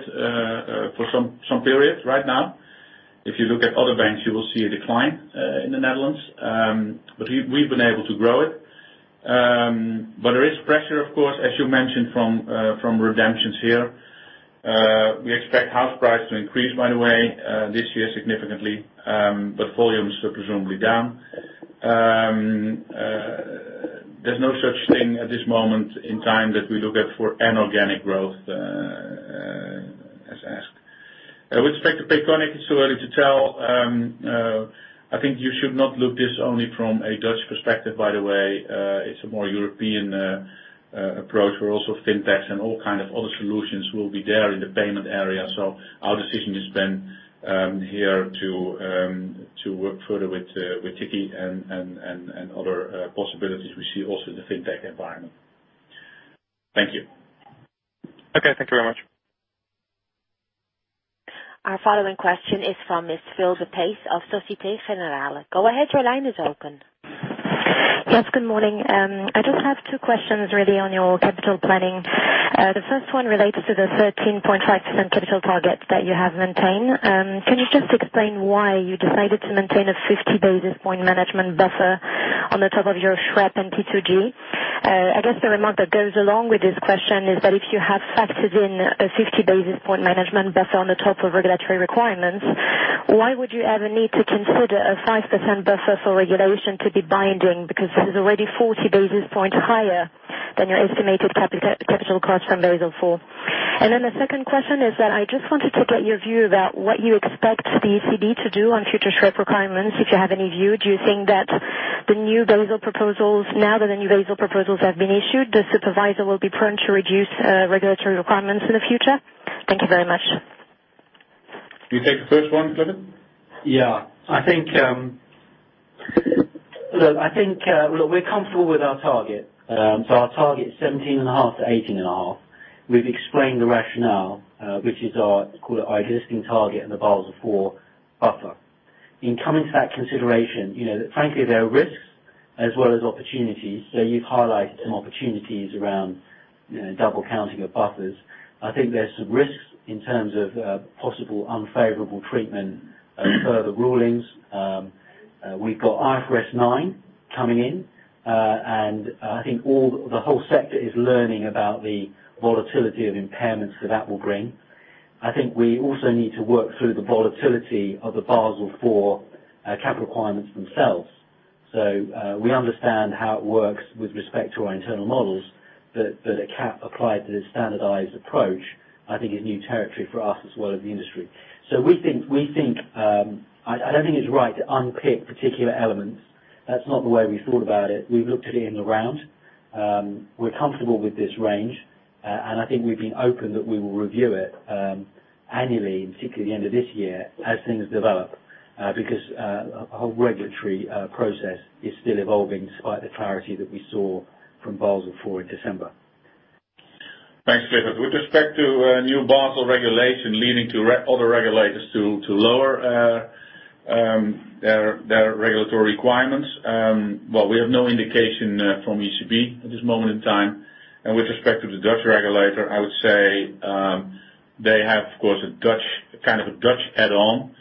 for some period right now. If you look at other banks, you will see a decline in the Netherlands. We've been able to grow it. There is pressure, of course, as you mentioned, from redemptions here. We expect house price to increase, by the way, this year significantly, volumes are presumably down. There's no such thing at this moment in time that we look at for an organic growth, as asked. With respect to Payconiq, it's too early to tell. I think you should not look this only from a Dutch perspective, by the way. It's a more European approach, where also fintechs and all kinds of other solutions will be there in the payment area. Our decision has been here to work further with Tikkie and other possibilities we see also in the fintech environment. Thank you. Okay. Thank you very much. Our following question is from Miss Phelbé Pace of Société Générale. Go ahead, your line is open. Yes, good morning. I just have two questions really on your capital planning. The first one relates to the 13.5% capital target that you have maintained. Can you just explain why you decided to maintain a 50-basis-point management buffer on the top of your SREP and P2G? I guess the remark that goes along with this question is that if you have factored in a 50-basis-point management buffer on the top of regulatory requirements, why would you ever need to consider a 5% buffer for regulation to be binding? Because this is already 40 basis points higher than your estimated capital cost from Basel IV. The second question is that I just want to take out your view about what you expect the ECB to do on future SREP requirements, if you have any view. Do you think that the new Basel proposals, now that the new Basel proposals have been issued, the supervisor will be prone to reduce regulatory requirements in the future? Thank you very much. You take the first one, Clifford? I think we're comfortable with our target. Our target is 17.5%-18.5%. We've explained the rationale, which is our, call it our existing target in the Basel IV buffer. In coming to that consideration, frankly, there are risks as well as opportunities. You've highlighted some opportunities around double counting of buffers. There's some risks in terms of possible unfavorable treatment of further rulings. We've got IFRS 9 coming in, I think the whole sector is learning about the volatility of impairments that that will bring. We also need to work through the volatility of the Basel IV capital requirements themselves. We understand how it works with respect to our internal models, but a cap applied to the standardized approach, I think is new territory for us as well as the industry. I don't think it's right to unpick particular elements. That's not the way we thought about it. We've looked at it in the round. We're comfortable with this range. I think we've been open that we will review it annually, particularly the end of this year, as things develop, because a whole regulatory process is still evolving despite the clarity that we saw from Basel IV in December. Thanks, Clifford. With respect to new Basel regulation leading to other regulators to lower their regulatory requirements. We have no indication from ECB at this moment in time. With respect to the Dutch regulator, I would say they have, of course, a Dutch add-on.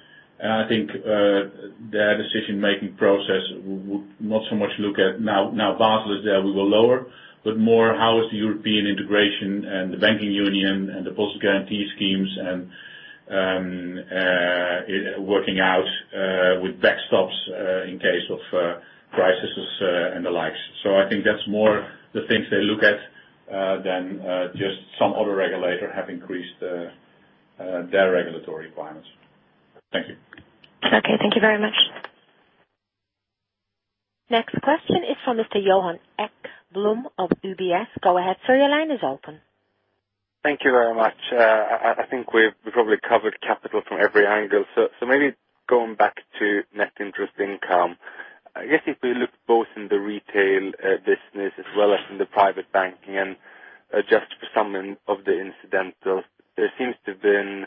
I think their decision-making process would not so much look at now Basel is there, we will lower, but more how is the European integration and the banking union and the deposit guarantee schemes working out with backstops in case of crises and the likes. I think that's more the things they look at than just some other regulator have increased their regulatory requirements. Thank you. Okay, thank you very much. Next question is from Mr. Johan Ekblom of UBS. Go ahead, sir. Your line is open. Thank you very much. I think we've probably covered capital from every angle. Maybe going back to net interest income. I guess if we look both in the retail business as well as in the private banking and adjust for some of the incidentals, there seems to have been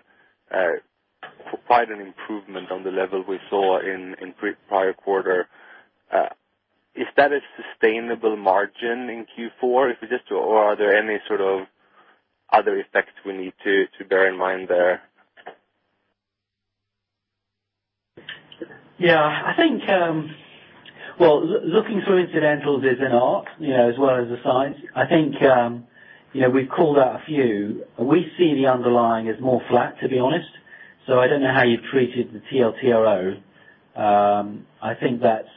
quite an improvement on the level we saw in prior quarter. Is that a sustainable margin in Q4? Are there any sort of other effects we need to bear in mind there? Yeah. Well, looking through incidentals is an art as well as a science. I think we've called out a few. We see the underlying as more flat, to be honest. I don't know how you've treated the TLTRO.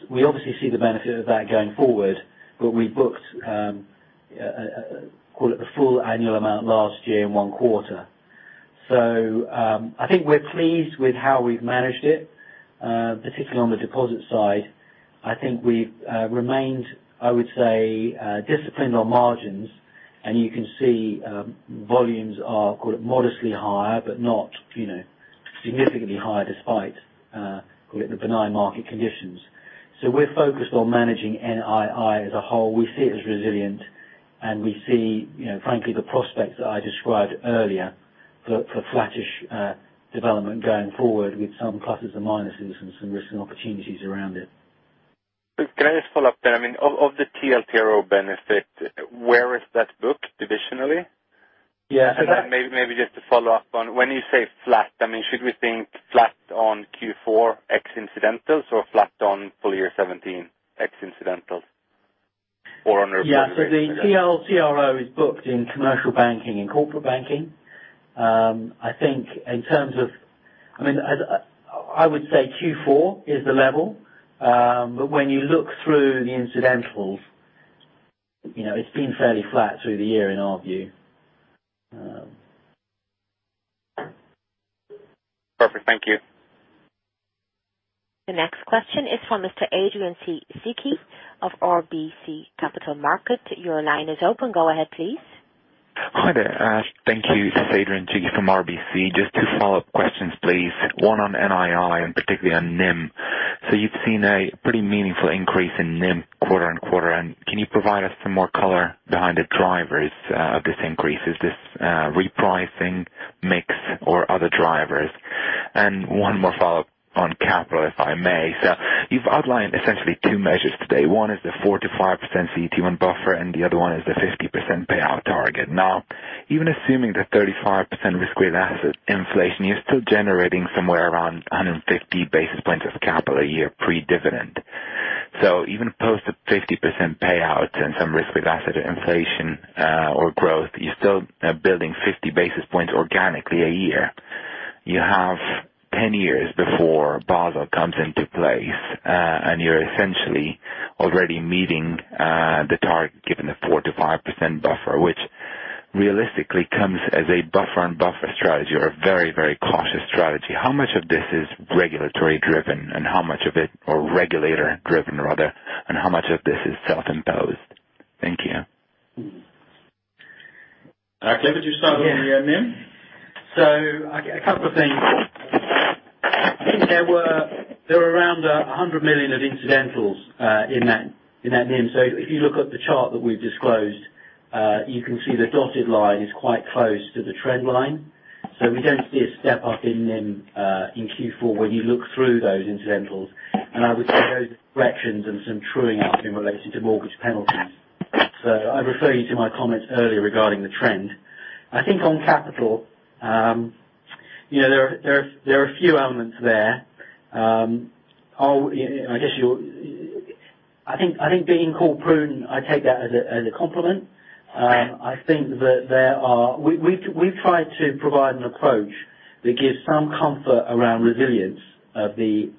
We obviously see the benefit of that going forward, but we booked, call it, the full annual amount last year in one quarter. I think we're pleased with how we've managed it, particularly on the deposit side. I think we've remained, I would say, disciplined on margins, and you can see volumes are, call it, modestly higher, but not significantly higher despite, call it, the benign market conditions. We're focused on managing NII as a whole. We see it as resilient, and we see, frankly, the prospects that I described earlier for flattish development going forward with some pluses and minuses and some risks and opportunities around it. Can I just follow up there? Of the TLTRO benefit, where is that booked divisionally? Yeah. Then maybe just to follow up on, when you say flat, should we think flat on Q4 ex incidentals or flat on full year 2017 ex incidentals? Yeah. The TLTRO is booked in commercial banking and corporate banking. I would say Q4 is the level. When you look through the incidentals, it's been fairly flat through the year in our view. Perfect. Thank you. The next question is from Mr. Adrian Cighi of RBC Capital Markets. Your line is open. Go ahead, please. Hi there. Thank you. It's Adrian Cighi from RBC. Just two follow-up questions, please. One on NII, and particularly on NIM. You've seen a pretty meaningful increase in NIM quarter-on-quarter, can you provide us some more color behind the drivers of this increase? Is this repricing mix or other drivers? One more follow-up on capital, if I may. You've outlined essentially two measures today. One is the 4%-5% CET1 buffer, and the other one is the 50% payout target. Now, even assuming that 35% risk-weight asset inflation, you're still generating somewhere around 150 basis points of capital a year pre-dividend. Even post the 50% payout and some risk-weight asset inflation or growth, you're still building 50 basis points organically a year. You have 10 years before Basel comes into place, you're essentially already meeting the target, given the 4%-5% buffer, which realistically comes as a buffer and buffer strategy or a very cautious strategy. How much of this is regulatory driven, or regulator driven rather, and how much of this is self-imposed? Thank you. Clifford, you start on the NIM. A couple of things. I think there were around 100 million of incidentals in that NIM. If you look at the chart that we've disclosed, you can see the dotted line is quite close to the trend line. We don't see a step up in NIM in Q4 when you look through those incidentals. I would say those corrections and some truing up in relation to mortgage penalties. I refer you to my comments earlier regarding the trend. I think on capital, there are a few elements there. I think being called prudent, I take that as a compliment. We've tried to provide an approach that gives some comfort around resilience of the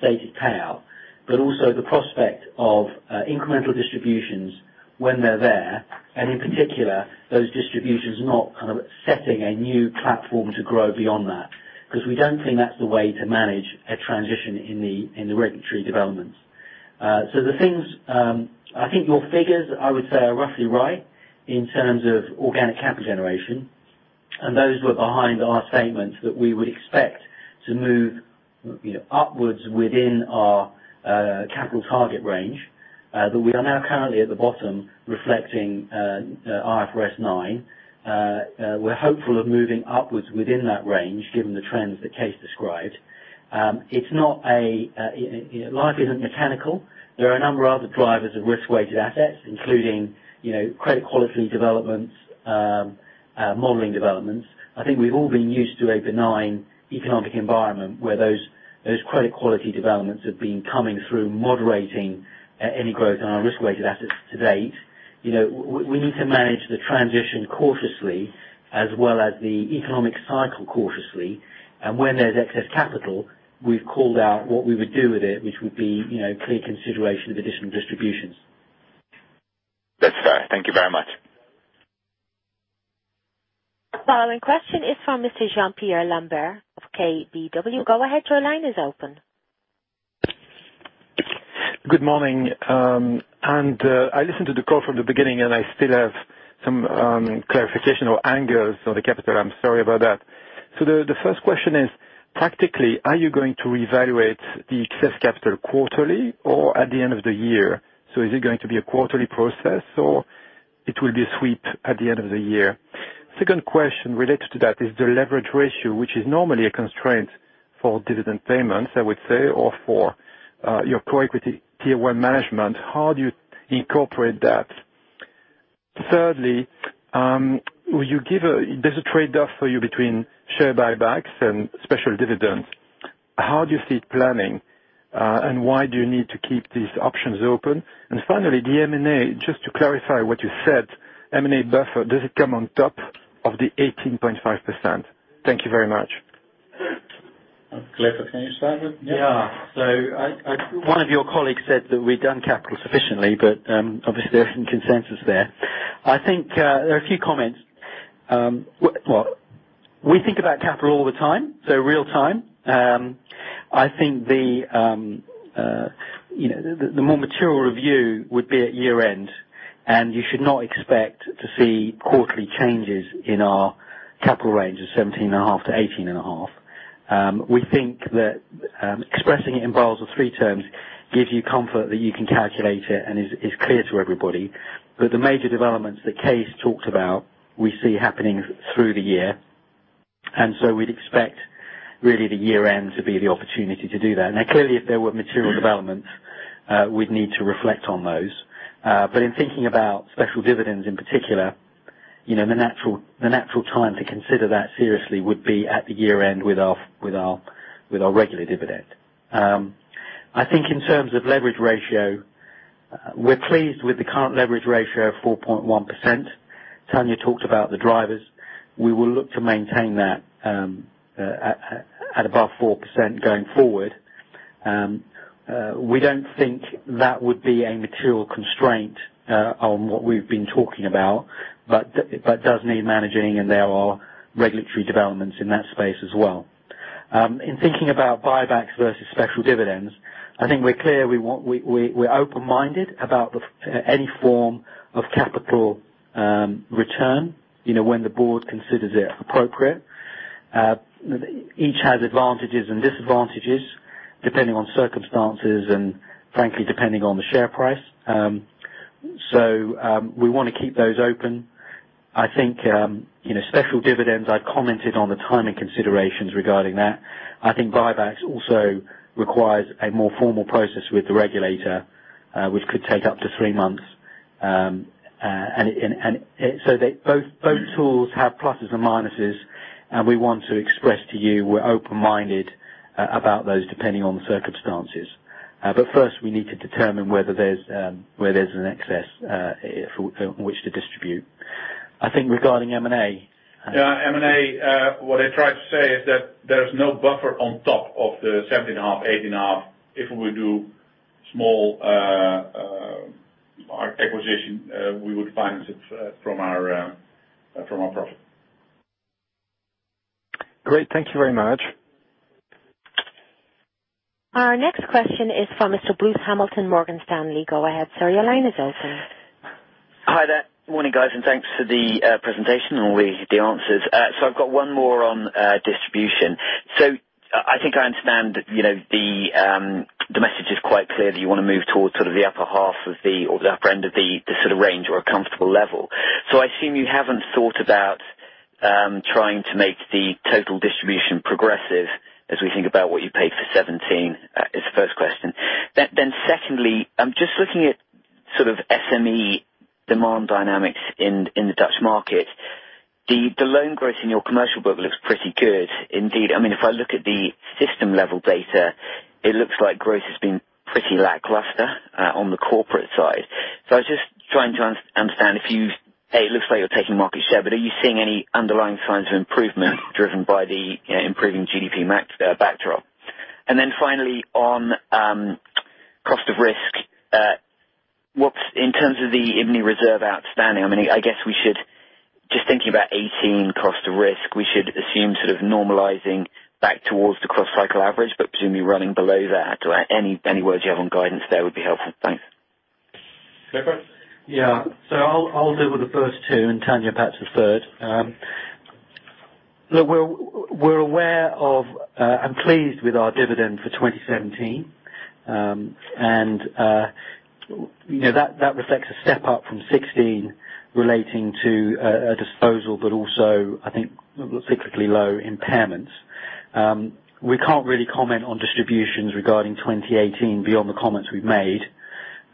stated payout, also the prospect of incremental distributions when they're there. In particular, those distributions not setting a new platform to grow beyond that. We don't think that's the way to manage a transition in the regulatory developments. I think your figures, I would say, are roughly right in terms of organic capital generation. Those were behind our statement that we would expect to move upwards within our capital target range. That we are now currently at the bottom reflecting IFRS 9. We're hopeful of moving upwards within that range given the trends that Kees described. Life isn't mechanical. There are a number of other drivers of risk-weighted assets, including credit quality developments, modeling developments. I think we've all been used to a benign economic environment where those credit quality developments have been coming through moderating any growth in our risk-weighted assets to date. We need to manage the transition cautiously as well as the economic cycle cautiously. When there's excess capital, we've called out what we would do with it, which would be clear consideration of additional distributions. That's fair. Thank you very much. Our next question is from Mr. Jean-Pierre Lambert of KBW. Go ahead, your line is open. Good morning. I listened to the call from the beginning. I still have some clarification or angles on the capital. I'm sorry about that. The first question is, practically, are you going to evaluate the excess capital quarterly or at the end of the year? Is it going to be a quarterly process, or it will be a sweep at the end of the year? Second question related to that is the leverage ratio, which is normally a constraint for dividend payments, I would say, or for your CET1 management. How do you incorporate that? Thirdly, there's a trade-off for you between share buybacks and special dividends. How do you see it planning? Why do you need to keep these options open? Finally, the M&A, just to clarify what you said, M&A buffer, does it come on top of the 18.5%? Thank you very much. Clifford, can you start it? One of your colleagues said that we'd done capital sufficiently. Obviously there isn't consensus there. I think there are a few comments. We think about capital all the time, real-time. I think the more material review would be at year-end. You should not expect to see quarterly changes in our capital range of 17.5%-18.5%. We think that expressing it in Basel III terms gives you comfort that you can calculate it and is clear to everybody. The major developments that Kees talked about, we see happening through the year. We'd expect really the year-end to be the opportunity to do that. Now, clearly, if there were material developments, we'd need to reflect on those. In thinking about special dividends in particular, the natural time to consider that seriously would be at the year-end with our regular dividend. I think in terms of leverage ratio, we're pleased with the current leverage ratio of 4.1%. Tanja talked about the drivers. We will look to maintain that at above 4% going forward. We don't think that would be a material constraint on what we've been talking about, but it does need managing, and there are regulatory developments in that space as well. In thinking about buybacks versus special dividends, I think we're clear we're open-minded about any form of capital return, when the board considers it appropriate. Each has advantages and disadvantages depending on circumstances and frankly, depending on the share price. We want to keep those open. I think, special dividends, I commented on the timing considerations regarding that. I think buybacks also requires a more formal process with the regulator, which could take up to 3 months. Both tools have pluses and minuses. We want to express to you we're open-minded about those depending on the circumstances. First, we need to determine where there's an excess, for which to distribute. I think regarding M&A- Yeah, M&A, what I tried to say is that there's no buffer on top of the 17.5, 18.5. If we do small acquisition, we would finance it from our profit. Great. Thank you very much. Our next question is from Mr. Bruce Hamilton, Morgan Stanley. Go ahead, sir. Your line is open. Hi there. Morning, guys, thanks for the presentation and all the answers. I've got one more on distribution. I think I understand the message is quite clear that you want to move towards the upper end of the range or a comfortable level. I assume you haven't thought about trying to make the total distribution progressive as we think about what you paid for 2017 is the first question. Secondly, just looking at SME demand dynamics in the Dutch market. The loan growth in your commercial book looks pretty good. Indeed, if I look at the system-level data, it looks like growth has been pretty lackluster on the corporate side. I was just trying to understand, A, it looks like you're taking market share, but are you seeing any underlying signs of improvement driven by the improving GDP backdrop? Finally, on cost of risk, in terms of the IBNI reserve outstanding, just thinking about 2018 cost of risk, we should assume normalizing back towards the cross cycle average, but presumably running below that. Any words you have on guidance there would be helpful. Thanks. Clifford. I'll deal with the first two, and Tanja Cuppen perhaps the third. Look, we're aware of and pleased with our dividend for 2017. That reflects a step up from 2016 relating to a disposal, but also I think cyclically low impairments. We can't really comment on distributions regarding 2018 beyond the comments we've made.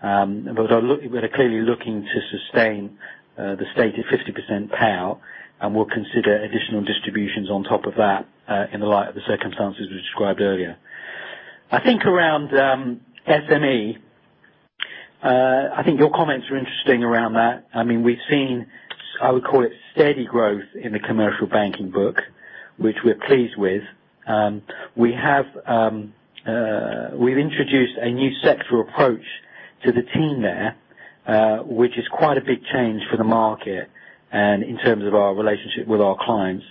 We're clearly looking to sustain the stated 50% payout, and we'll consider additional distributions on top of that in light of the circumstances we described earlier. I think around SME, I think your comments are interesting around that. We've seen, I would call it steady growth in the commercial banking book which we're pleased with. We've introduced a new sectoral approach to the team there, which is quite a big change for the market, and in terms of our relationship with our clients.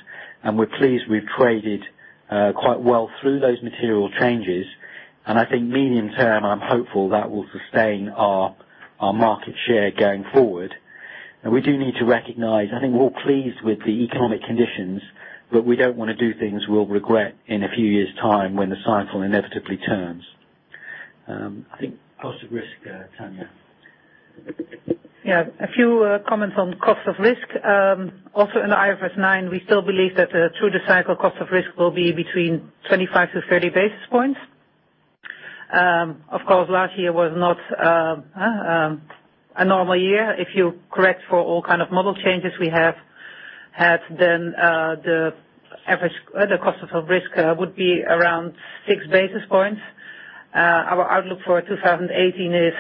We're pleased we've traded quite well through those material changes. I think medium term, I'm hopeful that will sustain our market share going forward. We do need to recognize, I think we're pleased with the economic conditions, but we don't want to do things we'll regret in a few years' time when the cycle inevitably turns. I think cost of risk, Tanja. A few comments on cost of risk. Also in IFRS 9, we still believe that through the cycle, cost of risk will be between 25 to 30 basis points. Of course, last year was not a normal year. If you correct for all kind of model changes we have had, then the cost of risk would be around six basis points. Our outlook for 2018 is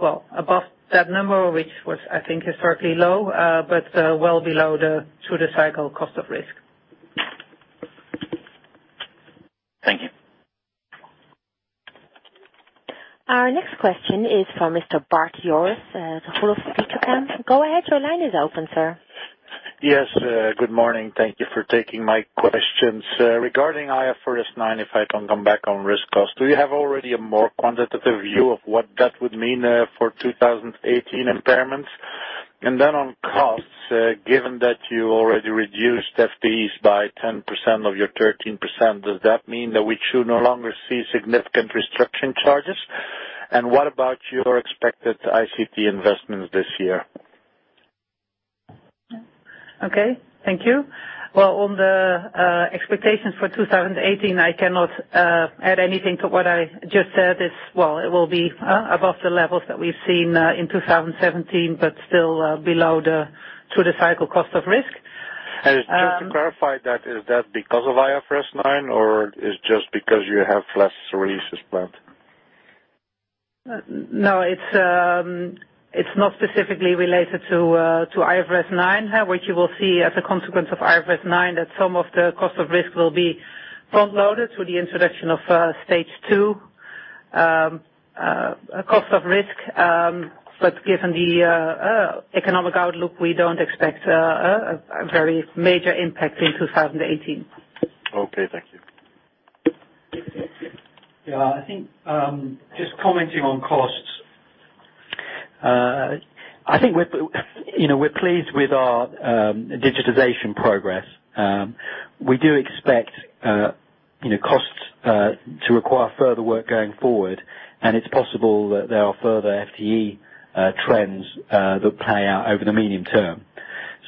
well above that number, which was I think historically low, but well below the through-the-cycle cost of risk. Thank you. Our next question is from Mr. Bart Jooris of Degroof Petercam. Go ahead, your line is open, sir. Yes, good morning. Thank you for taking my questions. Regarding IFRS 9, if I can come back on risk cost. Do you have already a more quantitative view of what that would mean for 2018 impairments? On costs, given that you already reduced FTEs by 10% of your 13%, does that mean that we should no longer see significant restructuring charges? What about your expected ICT investments this year? Okay. Thank you. On the expectations for 2018, I cannot add anything to what I just said. It will be above the levels that we've seen in 2017, but still below the through-the-cycle cost of risk. Just to clarify that, is that because of IFRS 9, or it's just because you have less releases planned? No, it's not specifically related to IFRS 9. What you will see as a consequence of IFRS 9, that some of the cost of risk will be front-loaded through the introduction of stage 2 cost of risk. Given the economic outlook, we don't expect a very major impact in 2018. Okay, thank you. Yeah. I think just commenting on costs. I think we're pleased with our digitization progress. We do expect costs to require further work going forward, and it's possible that there are further FTE trends that play out over the medium term.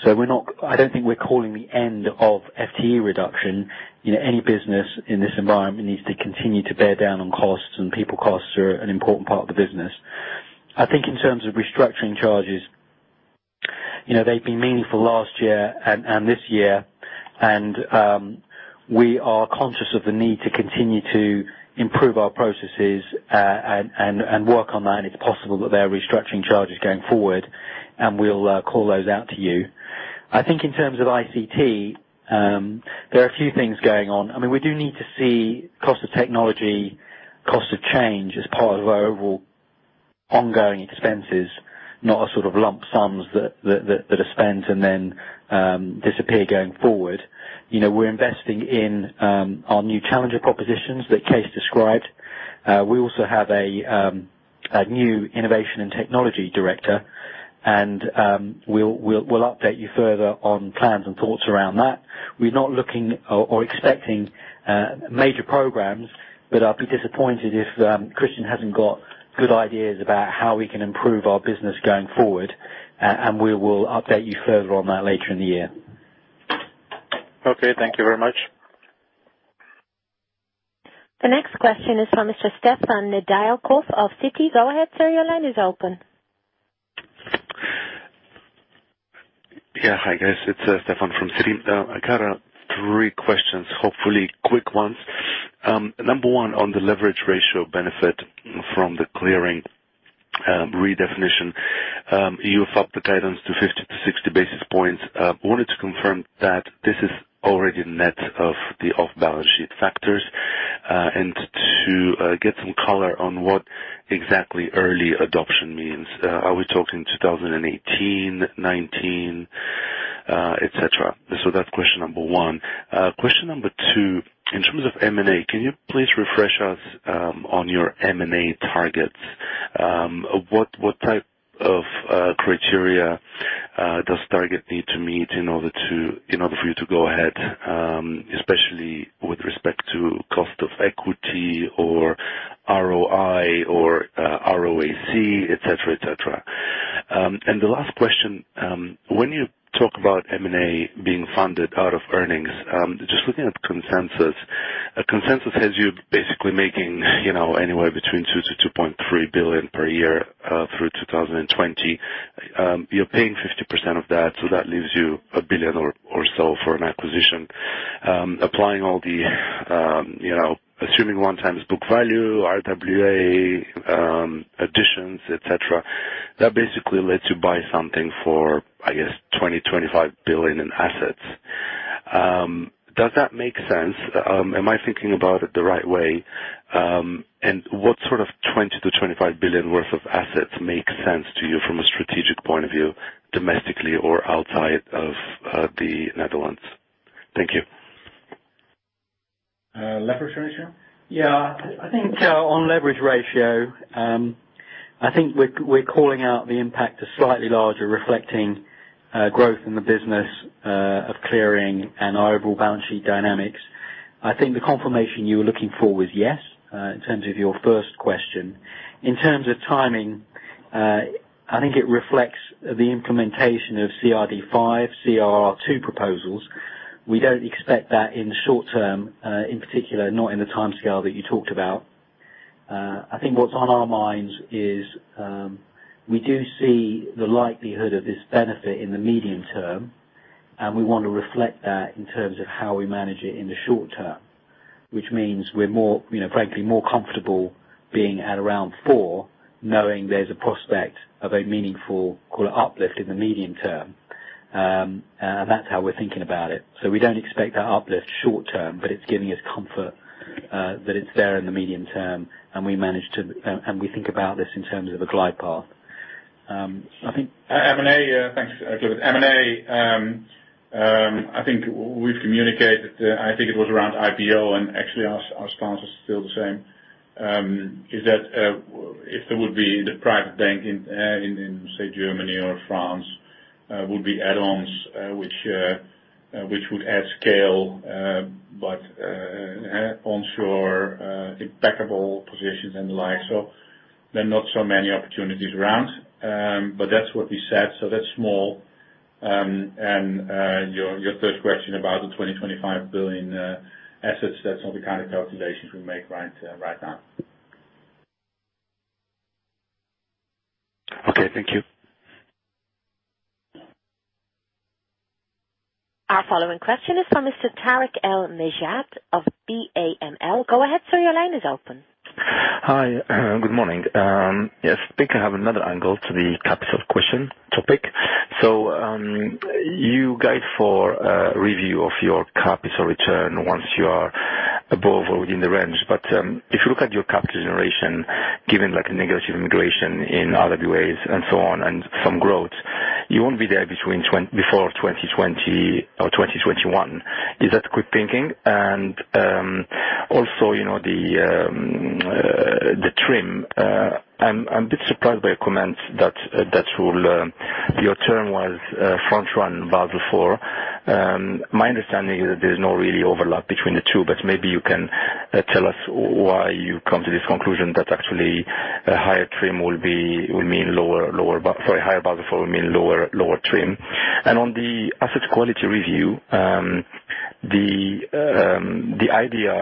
I don't think we're calling the end of FTE reduction. Any business in this environment needs to continue to bear down on costs, and people costs are an important part of the business. I think in terms of restructuring charges, they've been meaningful last year and this year, and we are conscious of the need to continue to improve our processes and work on that. It's possible that there are restructuring charges going forward, and we'll call those out to you. I think in terms of ICT, there are a few things going on. We do need to see cost of technology, cost of change as part of our overall ongoing expenses, not a sort of lump sums that are spent and then disappear going forward. We're investing in our new challenger propositions that Kees described. We also have a new innovation and technology director, and we'll update you further on plans and thoughts around that. We're not looking or expecting major programs, but I'll be disappointed if Christian hasn't got good ideas about how we can improve our business going forward. We will update you further on that later in the year. Okay. Thank you very much. The next question is from Mr. Stefan Nedialkov of Citi. Go ahead, sir, your line is open. Yeah. Hi, guys. It's Stefan from Citi. I got three questions, hopefully quick ones. Number one, on the leverage ratio benefit from the clearing redefinition. You've upped the guidance to 50-60 basis points. Wanted to confirm that this is already net of the off-balance sheet factors, and to get some color on what exactly early adoption means. Are we talking 2018, 2019, et cetera? That's question number one. Question number two, in terms of M&A, can you please refresh us on your M&A targets? What type of criteria does Target need to meet in order for you to go ahead, especially with respect to cost of equity or ROI or ROAC, et cetera? The last question, when you talk about M&A being funded out of earnings, just looking at consensus. Consensus has you basically making anywhere between EUR two-2.3 billion per year through 2020. You're paying 50% of that leaves you 1 billion or so for an acquisition. Assuming one times book value, RWA additions, et cetera. That basically lets you buy something for, I guess, 20, 25 billion in assets. Does that make sense? Am I thinking about it the right way? What sort of 20-25 billion worth of assets make sense to you from a strategic point of view, domestically or outside of the Netherlands? Thank you. Leverage ratio? Yeah. I think so. On leverage ratio, I think we're calling out the impact as slightly larger, reflecting growth in the business of clearing and our overall balance sheet dynamics. I think the confirmation you were looking for was yes, in terms of your first question. In terms of timing, I think it reflects the implementation of CRD V, CRR II proposals. We don't expect that in the short term, in particular, not in the timescale that you talked about. I think what's on our minds is we do see the likelihood of this benefit in the medium term, and we want to reflect that in terms of how we manage it in the short term, which means we're frankly more comfortable being at around four, knowing there's a prospect of a meaningful, call it uplift in the medium term. That's how we're thinking about it. We don't expect that uplift short-term, but it's giving us comfort that it's there in the medium term, and we think about this in terms of a glide path. M&A, thanks, Clifford. M&A, I think we've communicated, I think it was around IPO, and actually our stance is still the same. Is that if there would be the private bank in, say, Germany or France, would be add-ons which would add scale, but onshore, impeccable positions and the like. There are not so many opportunities around. That's what we said, so that's small. Your third question about the 20 billion-25 billion assets, that's not the kind of calculations we make right now. Okay, thank you. Our following question is from Mr. Tarik El Mejjad of BAML. Go ahead, sir, your line is open. Hi. Good morning. Yes, I think I have another angle to the capital question topic. You guide for a review of your capital return once you are above or within the range. If you look at your capital generation, given negative migration in RWAs and so on, and some growth, you won't be there before 2020 or 2021. Is that correct thinking? Also, the TRIM. I'm a bit surprised by your comments that your TRIM was front-run Basel IV. My understanding is that there's no really overlap between the two, but maybe you can tell us why you come to this conclusion that actually a higher Basel IV will mean lower TRIM. On the asset quality review, the idea,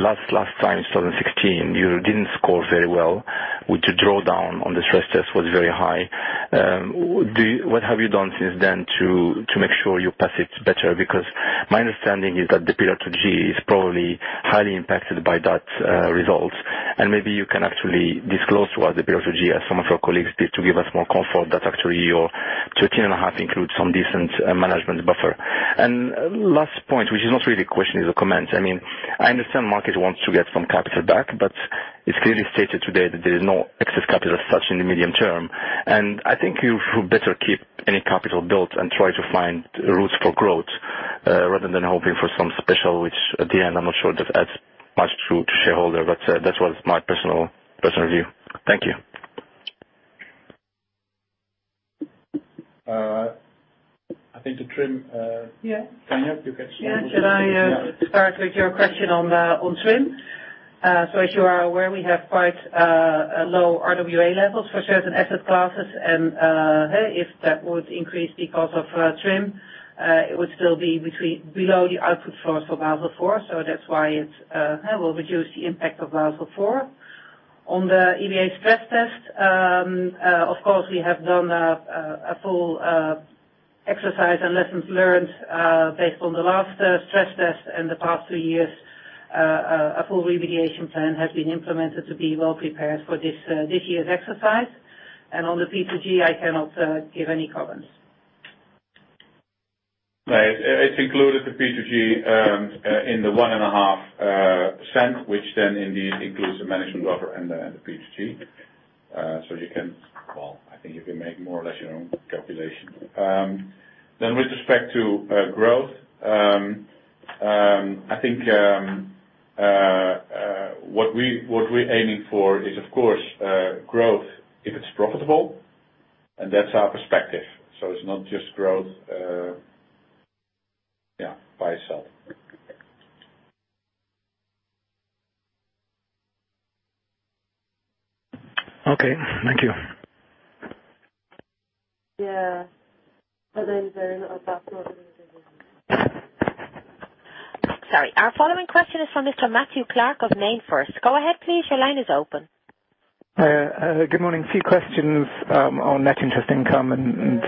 last time 2016, you didn't score very well. With the drawdown on the stress test was very high. What have you done since then to make sure you pass it better? My understanding is that the Pillar 2 G is probably highly impacted by that result. Maybe you can actually disclose to us the Pillar 2 G as some of your colleagues did, to give us more comfort that actually your 13.5% includes some decent management buffer. Last point, which is not really a question, is a comment. I understand market wants to get some capital back, it's clearly stated today that there is no excess capital as such in the medium term. I think you better keep any capital built and try to find routes for growth rather than hoping for some special, which at the end, I'm not sure this adds much to shareholder, but that was my personal view. Thank you. I think the TRIM- Yeah. Tanja, you can start. Should I start with your question on TRIM? As you are aware, we have quite low RWA levels for certain asset classes, and if that would increase because of TRIM, it would still be below the output floor for Basel IV. That's why it will reduce the impact of Basel IV. On the EBA stress test, of course, we have done a full exercise and lessons learned based on the last stress test in the past three years. A full remediation plan has been implemented to be well prepared for this year's exercise. On the P2G, I cannot give any comments. It's included the P2G in the 1.7%, which then indeed includes the management buffer and the P2G. I think you can make more or less your own calculation. With respect to growth, I think what we're aiming for is, of course, growth if it's profitable, and that's our perspective. It's not just growth by itself. Okay. Thank you. Yeah. There Sorry. Our following question is from Mr. Matthew Clark of Mediobanca. Go ahead, please. Your line is open. Good morning. A few questions on net interest income and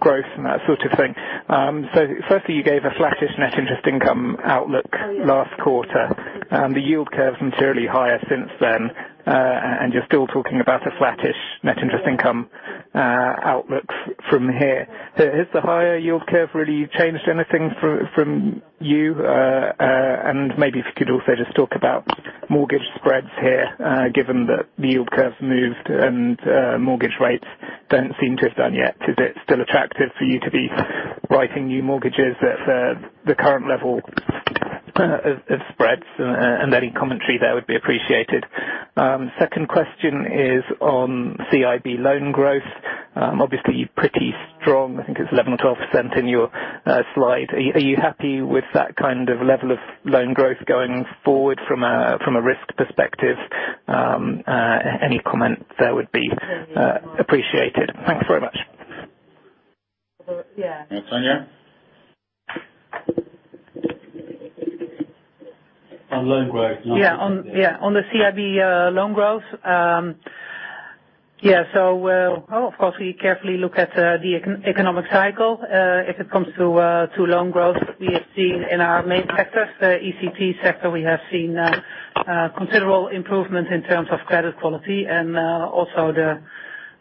growth and that sort of thing. Firstly, you gave a flattish net interest income outlook last quarter. The yield curve is materially higher since then, and you're still talking about a flattish net interest income. Outlook from here. Has the higher yield curve really changed anything from you? Maybe if you could also just talk about mortgage spreads here, given that the yield curve's moved and mortgage rates don't seem to have done yet. Is it still attractive for you to be writing new mortgages at the current level of spreads? Any commentary there would be appreciated. Second question is on CIB loan growth. Obviously pretty strong. I think it's 11% or 12% in your slide. Are you happy with that kind of level of loan growth going forward from a risk perspective? Any comment there would be appreciated. Thanks very much. Yeah. Yeah, Tanja? On loan growth. Yeah. On the CIB loan growth. Yeah. Of course, we carefully look at the economic cycle. If it comes to loan growth, we have seen in our main sectors, the ECT sector, we have seen considerable improvement in terms of credit quality and also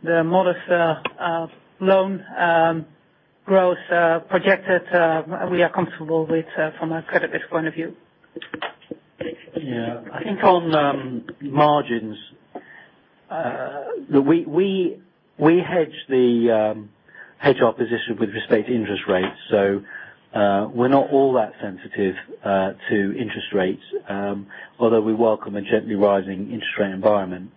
the modest loan growth projected, we are comfortable with from a credit risk point of view. Yeah. I think on margins, we hedge our position with respect to interest rates. We're not all that sensitive to interest rates. Although we welcome a gently rising interest rate environment.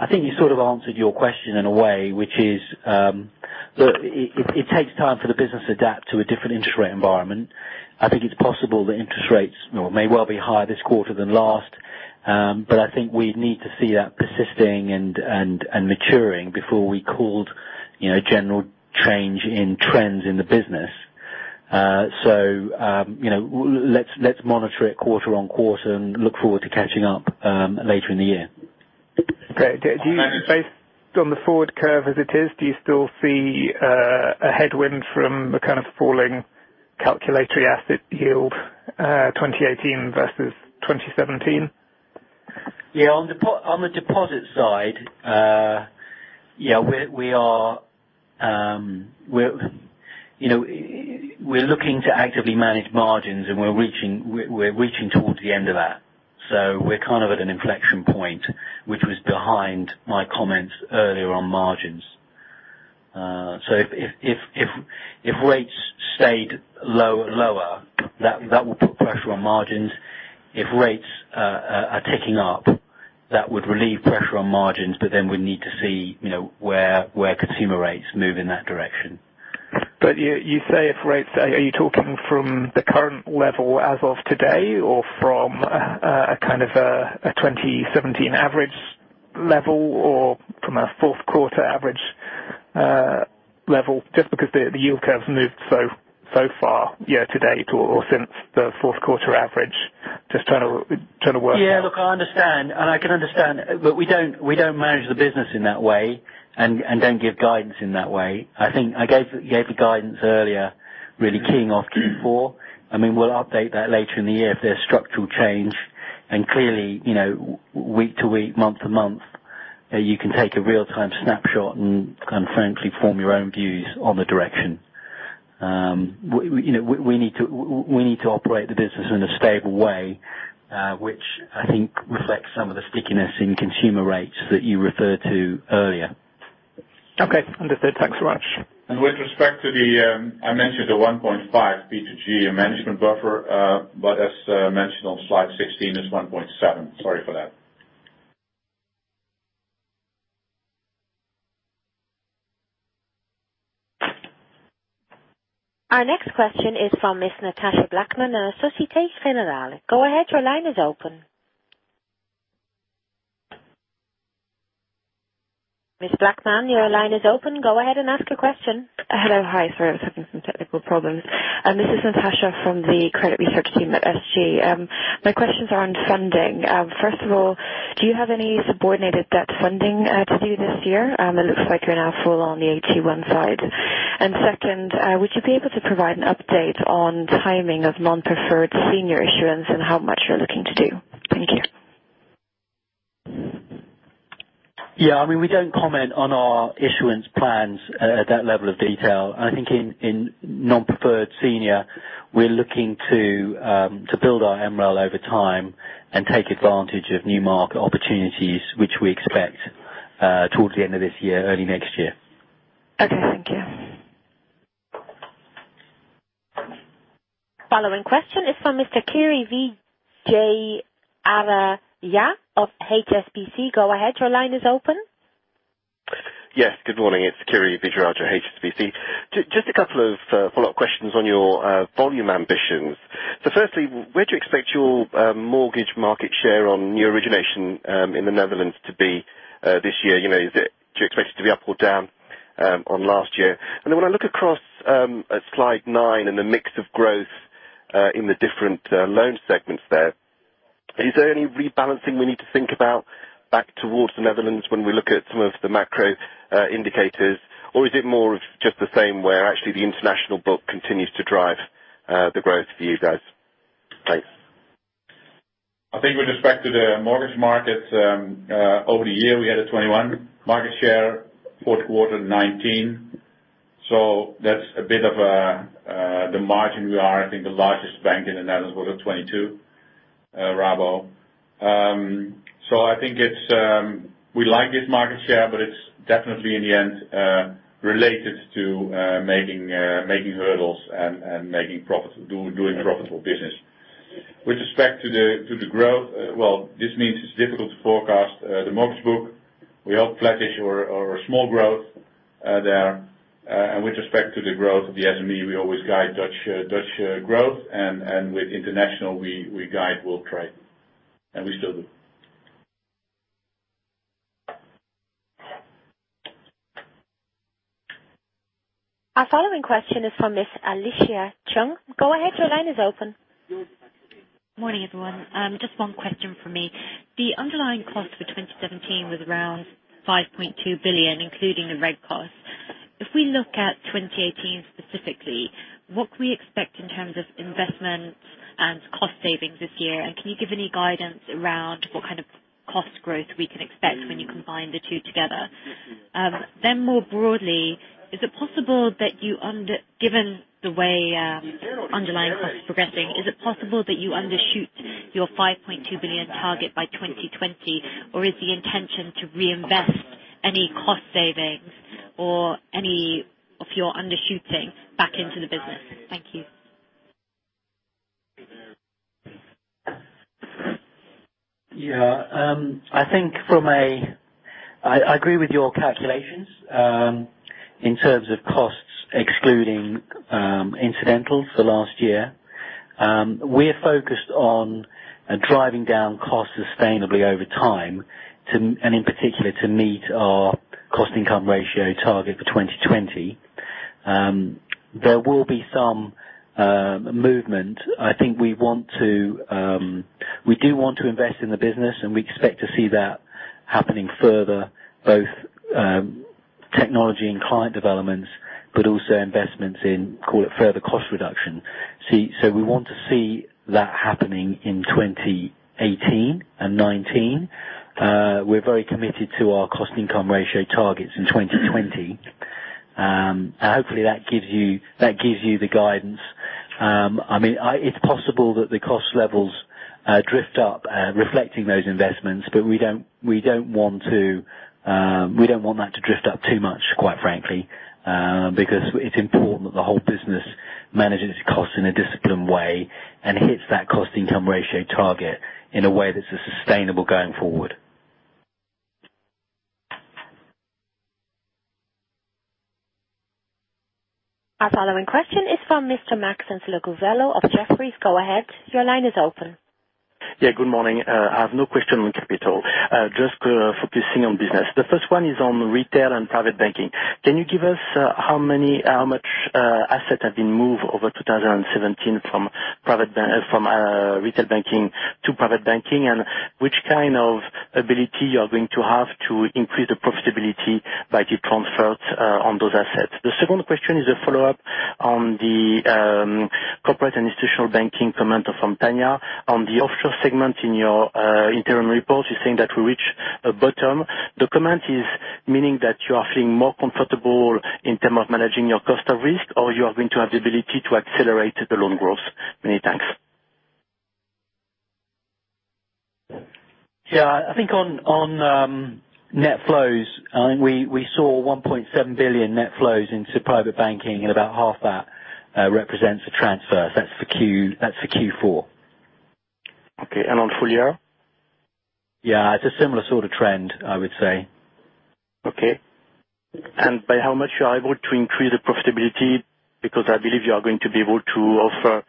I think you sort of answered your question in a way, which is, look, it takes time for the business to adapt to a different interest rate environment. I think it's possible that interest rates may well be higher this quarter than last. I think we'd need to see that persisting and maturing before we called general change in trends in the business. Let's monitor it quarter-on-quarter and look forward to catching up later in the year. Great. Based on the forward curve as it is, do you still see a headwind from the kind of falling calculatory asset yield 2018 versus 2017? Yeah. On the deposit side, we're looking to actively manage margins. We're reaching towards the end of that. We're kind of at an inflection point, which was behind my comments earlier on margins. If rates stayed lower, that would put pressure on margins. If rates are ticking up, that would relieve pressure on margins. We'd need to see where consumer rates move in that direction. You say if rates. Are you talking from the current level as of today or from a kind of a 2017 average level or from a fourth quarter average level, just because the yield curve's moved so far year-to-date or since the fourth quarter average, just trying to work that? Yeah. Look, I understand. I can understand. We don't manage the business in that way and don't give guidance in that way. I think I gave the guidance earlier, really keying off Q4. I mean, we'll update that later in the year if there's structural change. Clearly, week-to-week, month-to-month, you can take a real-time snapshot and frankly form your own views on the direction. We need to operate the business in a stable way, which I think reflects some of the stickiness in consumer rates that you referred to earlier. Okay. Understood. Thanks so much. With respect to the, I mentioned the 1.5 P2G management buffer, but as mentioned on slide 16, it's 1.7. Sorry for that. Our next question is from Miss Natacha Blackman of Société Générale. Go ahead, your line is open. Miss Blackman, your line is open. Go ahead and ask your question. Hello. Hi. Sorry, I was having some technical problems. This is Natacha from the credit research team at SG. My questions are on funding. First of all, do you have any subordinated debt funding to do this year? It looks like you're now full on the AT1 side. Second, would you be able to provide an update on timing of non-preferred senior issuance and how much you're looking to do? Thank you. Yeah. I mean, we don't comment on our issuance plans at that level of detail. I think in non-preferred senior, we're looking to build our MREL over time and take advantage of new market opportunities, which we expect towards the end of this year, early next year. Okay. Thank you. Following question is from Mr. Kiri Vijayarajah of HSBC. Go ahead, your line is open. Yes. Good morning. It's Kiri Vijayarajah, HSBC. Just a couple of follow-up questions on your volume ambitions. Firstly, where do you expect your mortgage market share on new origination in the Netherlands to be this year? Do you expect it to be up or down on last year? When I look across at slide nine and the mix of growth in the different loan segments there, is there any rebalancing we need to think about back towards the Netherlands when we look at some of the macro indicators? Or is it more of just the same where actually the international book continues to drive the growth for you guys? Thanks. I think with respect to the mortgage market, over the year, we had a 21% market share, fourth quarter 19%. That's a bit of the margin. We are, I think, the largest bank in the Netherlands with a 22% Rabobank. We like this market share, but it's definitely, in the end, related to making hurdles and doing profitable business. With respect to the growth, well, this means it's difficult to forecast the mortgage book. We hold flat-ish or a small growth there. With respect to the growth of the SME, we always guide Dutch growth and with international, we guide world trade, and we still do. Our following question is from Miss Alicia Chung. Go ahead, your line is open. Morning, everyone. Just one question from me. The underlying cost for 2017 was around 5.2 billion, including the reg costs. If we look at 2018 specifically, what can we expect in terms of investments and cost savings this year? Can you give any guidance around what kind of cost growth we can expect when you combine the two together? More broadly, given the way underlying costs are progressing, is it possible that you undershoot your 5.2 billion target by 2020? Is the intention to reinvest any cost savings or any of your undershooting back into the business? Thank you. Yeah. I agree with your calculations, in terms of costs, excluding incidentals for last year. We're focused on driving down costs sustainably over time, and in particular, to meet our cost-income ratio target for 2020. There will be some movement. We do want to invest in the business, and we expect to see that happening further, both technology and client developments, but also investments in call it further cost reduction. We want to see that happening in 2018 and 2019. We're very committed to our cost-income ratio targets in 2020. Hopefully, that gives you the guidance. It's possible that the cost levels drift up, reflecting those investments, but we don't want that to drift up too much, quite frankly, because it's important that the whole business manages its cost in a disciplined way and hits that cost-income ratio target in a way that's sustainable going forward. Our following question is from Mr. Maxence Le Gouvello of Jefferies. Go ahead, your line is open. Yeah, good morning. I have no question on capital. Just focusing on business. The first one is on retail and private banking. Can you give us how much assets have been moved over 2017 from retail banking to private banking, which kind of ability you're going to have to increase the profitability by the transfers on those assets? The second question is a follow-up on the corporate institutional banking comment from Tanja on the offshore segment in your interim report. You're saying that we reached a bottom. The comment is meaning that you are feeling more comfortable in terms of managing your cost of risk, or you are going to have the ability to accelerate the loan growth? Many thanks. Yeah. I think on net flows, we saw 1.7 billion net flows into private banking, about half that represents the transfers. That's for Q4. Okay. On full year? Yeah. It's a similar sort of trend, I would say. Okay. By how much are you able to increase the profitability? Because I believe you are going to be able to offer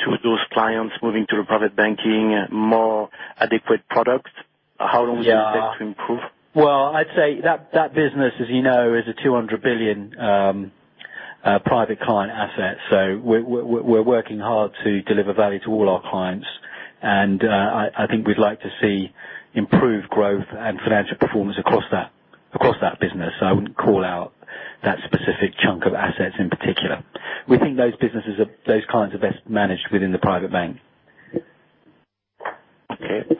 to those clients moving to the private banking more adequate products. How long do you expect to improve? Well, I'd say that business, as you know, is a 200 billion private client asset. We're working hard to deliver value to all our clients, I think we'd like to see improved growth and financial performance across that business. I wouldn't call out that specific chunk of assets in particular. We think those kinds are best managed within the Private Bank. Okay.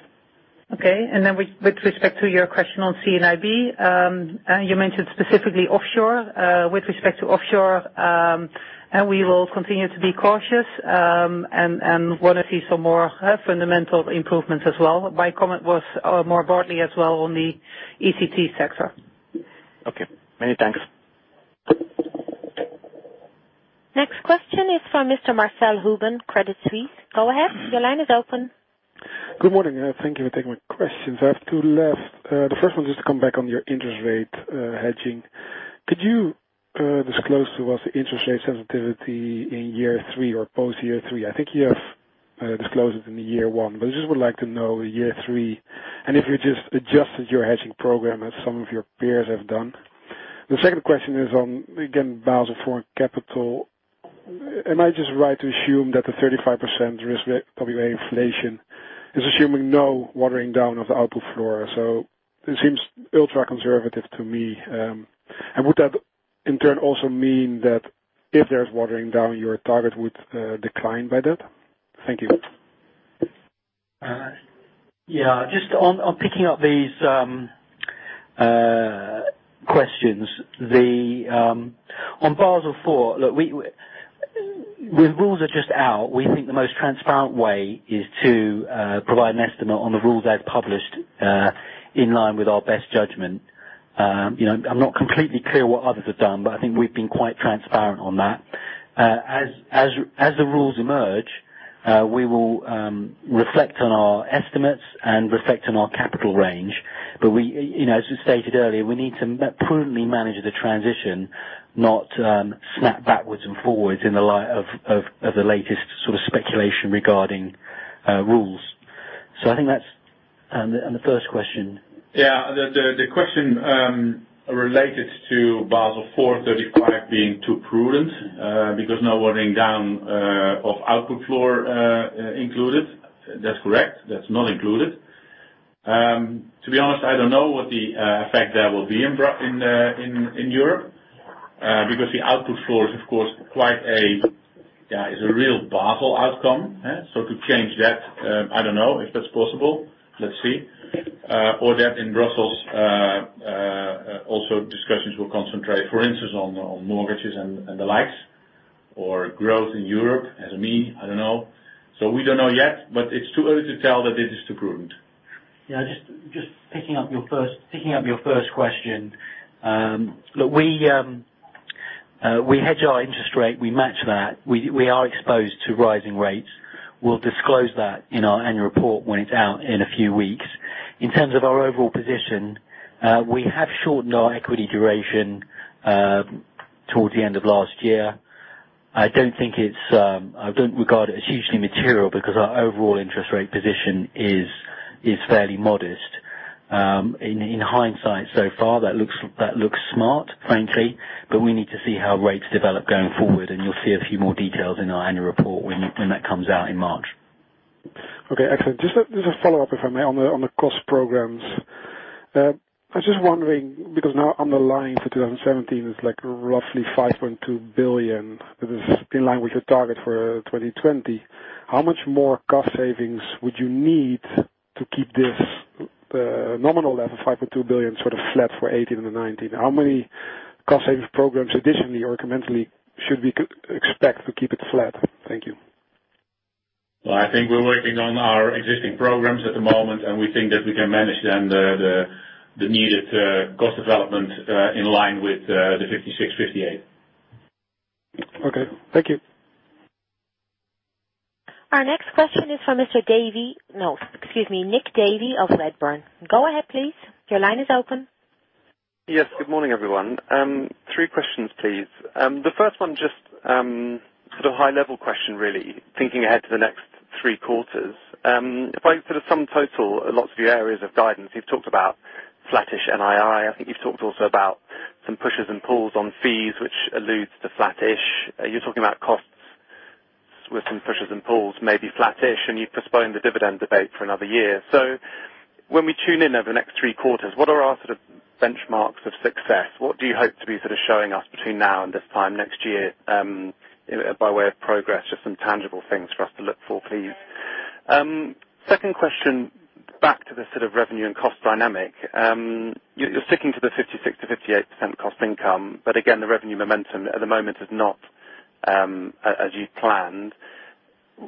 Okay. Then with respect to your question on CIB, you mentioned specifically offshore. With respect to offshore, we will continue to be cautious, want to see some more fundamental improvements as well. My comment was more broadly as well on the ECT sector. Okay. Many thanks. Next question is from Mr. Marcell Houben, Credit Suisse. Go ahead, your line is open. Good morning. Thank you for taking my questions. I have two left. The first one is to come back on your interest rate hedging. Could you disclose to us the interest rate sensitivity in year three or post year three? I think you have disclosed it in year one, but I just would like to know year three, if you just adjusted your hedging program as some of your peers have done. The second question is on, again, Basel IV capital. Am I just right to assume that the 35% RWA inflation is assuming no watering down of the output floor? It seems ultra-conservative to me. Would that in turn also mean that if there's watering down, your target would decline by that? Thank you. Just on picking up these questions. On Basel IV, look, the rules are just out. We think the most transparent way is to provide an estimate on the rules as published, in line with our best judgment. I'm not completely clear what others have done, but I think we've been quite transparent on that. As the rules emerge, we will reflect on our estimates and reflect on our capital range. As we stated earlier, we need to prudently manage the transition, not snap backwards and forwards in the light of the latest sort of speculation regarding rules. I think that's on the first question. The question related to Basel IV 35 being too prudent, no watering down of output floor included. That's correct. That's not included. To be honest, I don't know what the effect that will be in Europe. The output floor is, of course, quite a real Basel outcome. To change that, I don't know if that's possible. Let's see. That in Brussels, also discussions will concentrate, for instance, on mortgages and the likes, or growth in Europe as a mean. I don't know. We don't know yet, but it's too early to tell that it is too prudent. Just picking up your first question. Look, we hedge our interest rate. We match that. We are exposed to rising rates. We'll disclose that in our annual report when it's out in a few weeks. In terms of our overall position, we have shortened our equity duration towards the end of last year. I don't regard it as hugely material because our overall interest rate position is fairly modest. In hindsight, so far, that looks smart, frankly, but we need to see how rates develop going forward, and you'll see a few more details in our annual report when that comes out in March. Okay. Excellent. Just a follow-up, if I may, on the cost programs. I was just wondering, now underlying for 2017 is roughly 5.2 billion. This is in line with your target for 2020. How much more cost savings would you need to keep this nominal level, 5.2 billion, sort of flat for 2018 and 2019? How many cost savings programs additionally or incrementally should we expect to keep it flat? Thank you. Well, I think we're working on our existing programs at the moment, and we think that we can manage then the needed cost development in line with the 56/58. Okay. Thank you. Our next question is from Mr. Davey. No. Excuse me, Nick Davey of Redburn. Go ahead, please. Your line is open. Yes. Good morning, everyone. Three questions, please. The first one just sort of high level question, really, thinking ahead to the next three quarters. If I sort of sum total lots of your areas of guidance, you have talked about flattish NII. I think you have talked also about some pushes and pulls on fees, which alludes to flattish. You are talking about costs with some pushes and pulls, maybe flattish, and you have postponed the dividend debate for another year. When we tune in over the next three quarters, what are our sort of benchmarks of success? What do you hope to be sort of showing us between now and this time next year, by way of progress, just some tangible things for us to look for, please. Second question, back to the sort of revenue and cost dynamic. You are sticking to the 56%-58% cost income, but again, the revenue momentum at the moment is not as you planned.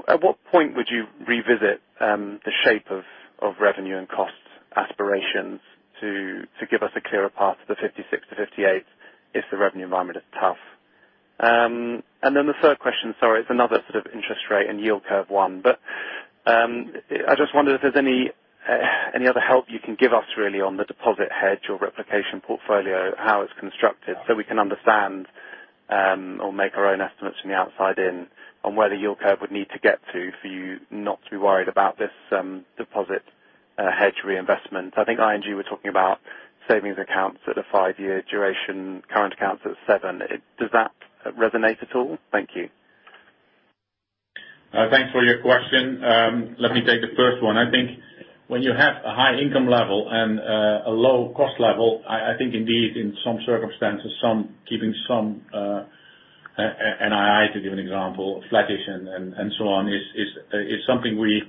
At what point would you revisit the shape of revenue and cost aspirations to give us a clearer path to the 56 to 58 if the revenue environment is tough? The third question, sorry, it is another sort of interest rate and yield curve one. I just wonder if there is any other help you can give us really on the deposit hedge or replication portfolio, how it is constructed, so we can understand or make our own estimates from the outside in on where the yield curve would need to get to for you not to be worried about this deposit hedge reinvestment. I think ING were talking about savings accounts at a five-year duration, current accounts at seven. Does that resonate at all? Thank you. Thanks for your question. Let me take the first one. I think when you have a high income level and a low cost level, I think indeed, in some circumstances, keeping some NII, to give an example, flattish and so on, is something we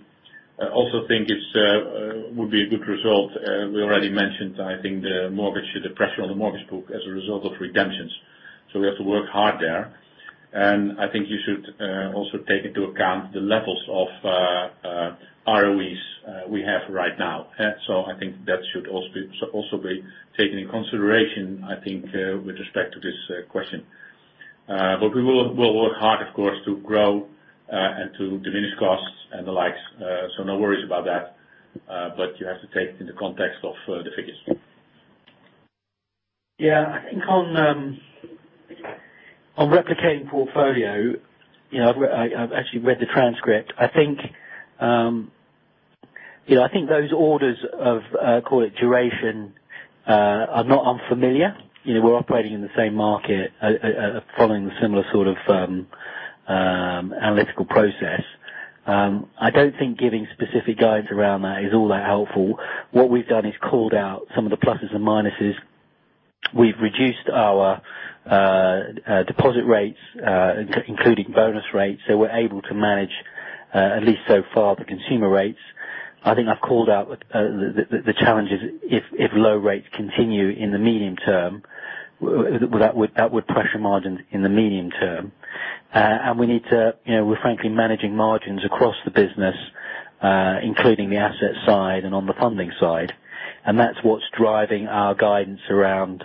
also think would be a good result. We already mentioned, I think the pressure on the mortgage book as a result of redemptions. We have to work hard there. I think you should also take into account the levels of ROEs we have right now. I think that should also be taken in consideration, I think, with respect to this question. We will work hard, of course, to grow and to diminish costs and the likes. No worries about that. You have to take it in the context of the figures. Yeah. I think on replicating portfolio, I've actually read the transcript. I think those orders of call it duration, are not unfamiliar. We're operating in the same market, following the similar sort of analytical process. I don't think giving specific guidance around that is all that helpful. What we've done is called out some of the pluses and minuses. We've reduced our deposit rates, including bonus rates, so we're able to manage, at least so far, the consumer rates. I think I've called out the challenges if low rates continue in the medium term, that would pressure margins in the medium term. We're frankly managing margins across the business, including the asset side and on the funding side, and that's what's driving our guidance around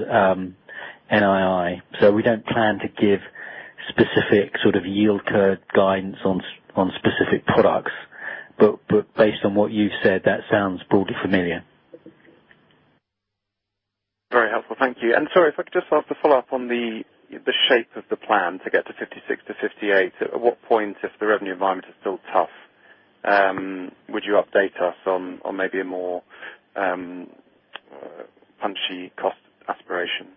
NII. We don't plan to give specific yield curve guidance on specific products. Based on what you've said, that sounds broadly familiar. Very helpful. Thank you. Sorry, if I could just ask a follow-up on the shape of the plan to get to 56 to 58. At what point, if the revenue environment is still tough, would you update us on maybe a more punchy cost aspiration?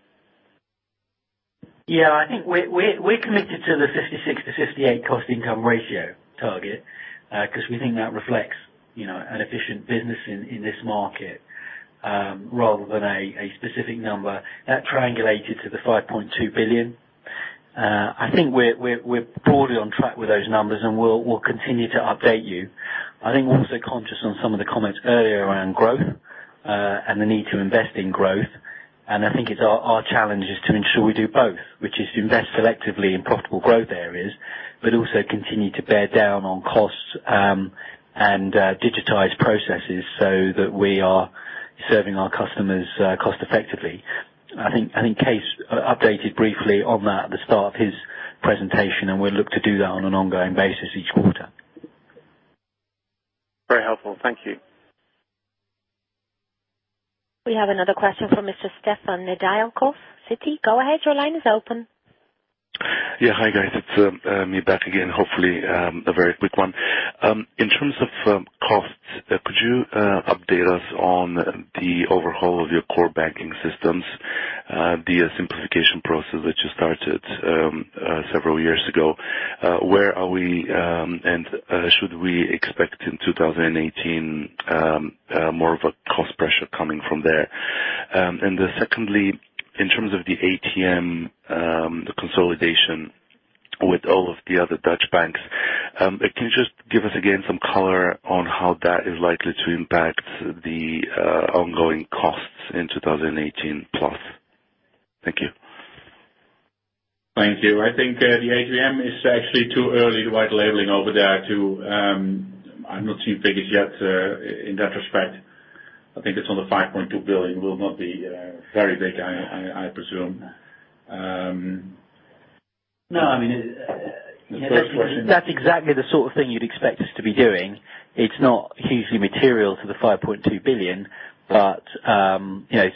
Yeah. I think we're committed to the 56 to 58 cost-income ratio target, because we think that reflects an efficient business in this market, rather than a specific number. That triangulated to the 5.2 billion. I think we're broadly on track with those numbers. We'll continue to update you. I think we're also conscious on some of the comments earlier around growth, and the need to invest in growth. I think our challenge is to ensure we do both, which is to invest selectively in profitable growth areas, but also continue to bear down on costs and digitize processes so that we are serving our customers cost effectively. I think Kees updated briefly on that at the start of his presentation, and we'll look to do that on an ongoing basis each quarter. Very helpful. Thank you. We have another question from Mr. Stefan Nedialkov, Citi. Go ahead, your line is open. Hi, guys. It's me back again, hopefully a very quick one. In terms of costs, could you update us on the overhaul of your core banking systems, the simplification process that you started several years ago? Where are we, and should we expect in 2018 more of a cost pressure coming from there? Secondly, in terms of the ATM consolidation with all of the other Dutch banks, can you just give us again some color on how that is likely to impact the ongoing costs in 2018 plus? Thank you. Thank you. I think the ATM is actually too early to white labeling over there, too. I've not seen figures yet in that respect. I think it's on the 5.2 billion. It will not be very big, I presume. No. The first. That's exactly the sort of thing you'd expect us to be doing. It's not hugely material to the 5.2 billion, but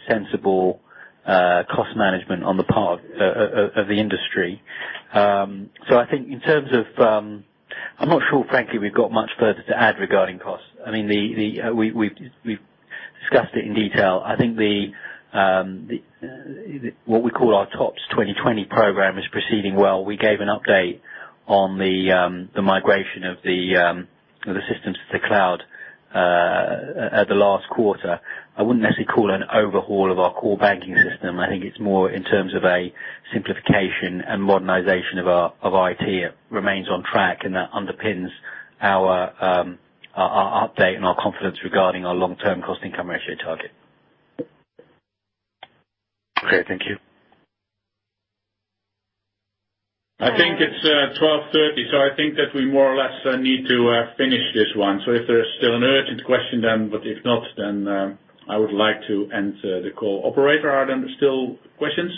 sensible cost management on the part of the industry. I think in terms of I'm not sure, frankly, we've got much further to add regarding costs. We've discussed it in detail. I think what we call our Tops 2020 program is proceeding well. We gave an update on the migration of the systems to the cloud at the last quarter. I wouldn't necessarily call it an overhaul of our core banking system. I think it's more in terms of a simplification and modernization of our IT. It remains on track, and that underpins our update and our confidence regarding our long-term cost-income ratio target. Okay, thank you. I think it's 12:30. I think that we more or less need to finish this one. If there is still an urgent question, but if not, I would like to end the call. Operator, are there still questions?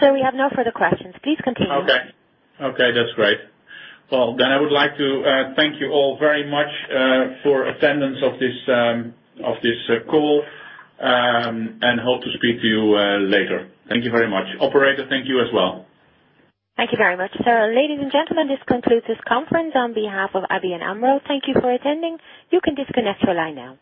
Sir, we have no further questions. Please continue. Okay. Okay, that's great. I would like to thank you all very much for attendance of this call, and hope to speak to you later. Thank you very much. Operator, thank you as well. Thank you very much, sir. Ladies and gentlemen, this concludes this conference. On behalf of ABN AMRO, thank you for attending. You can disconnect your line now.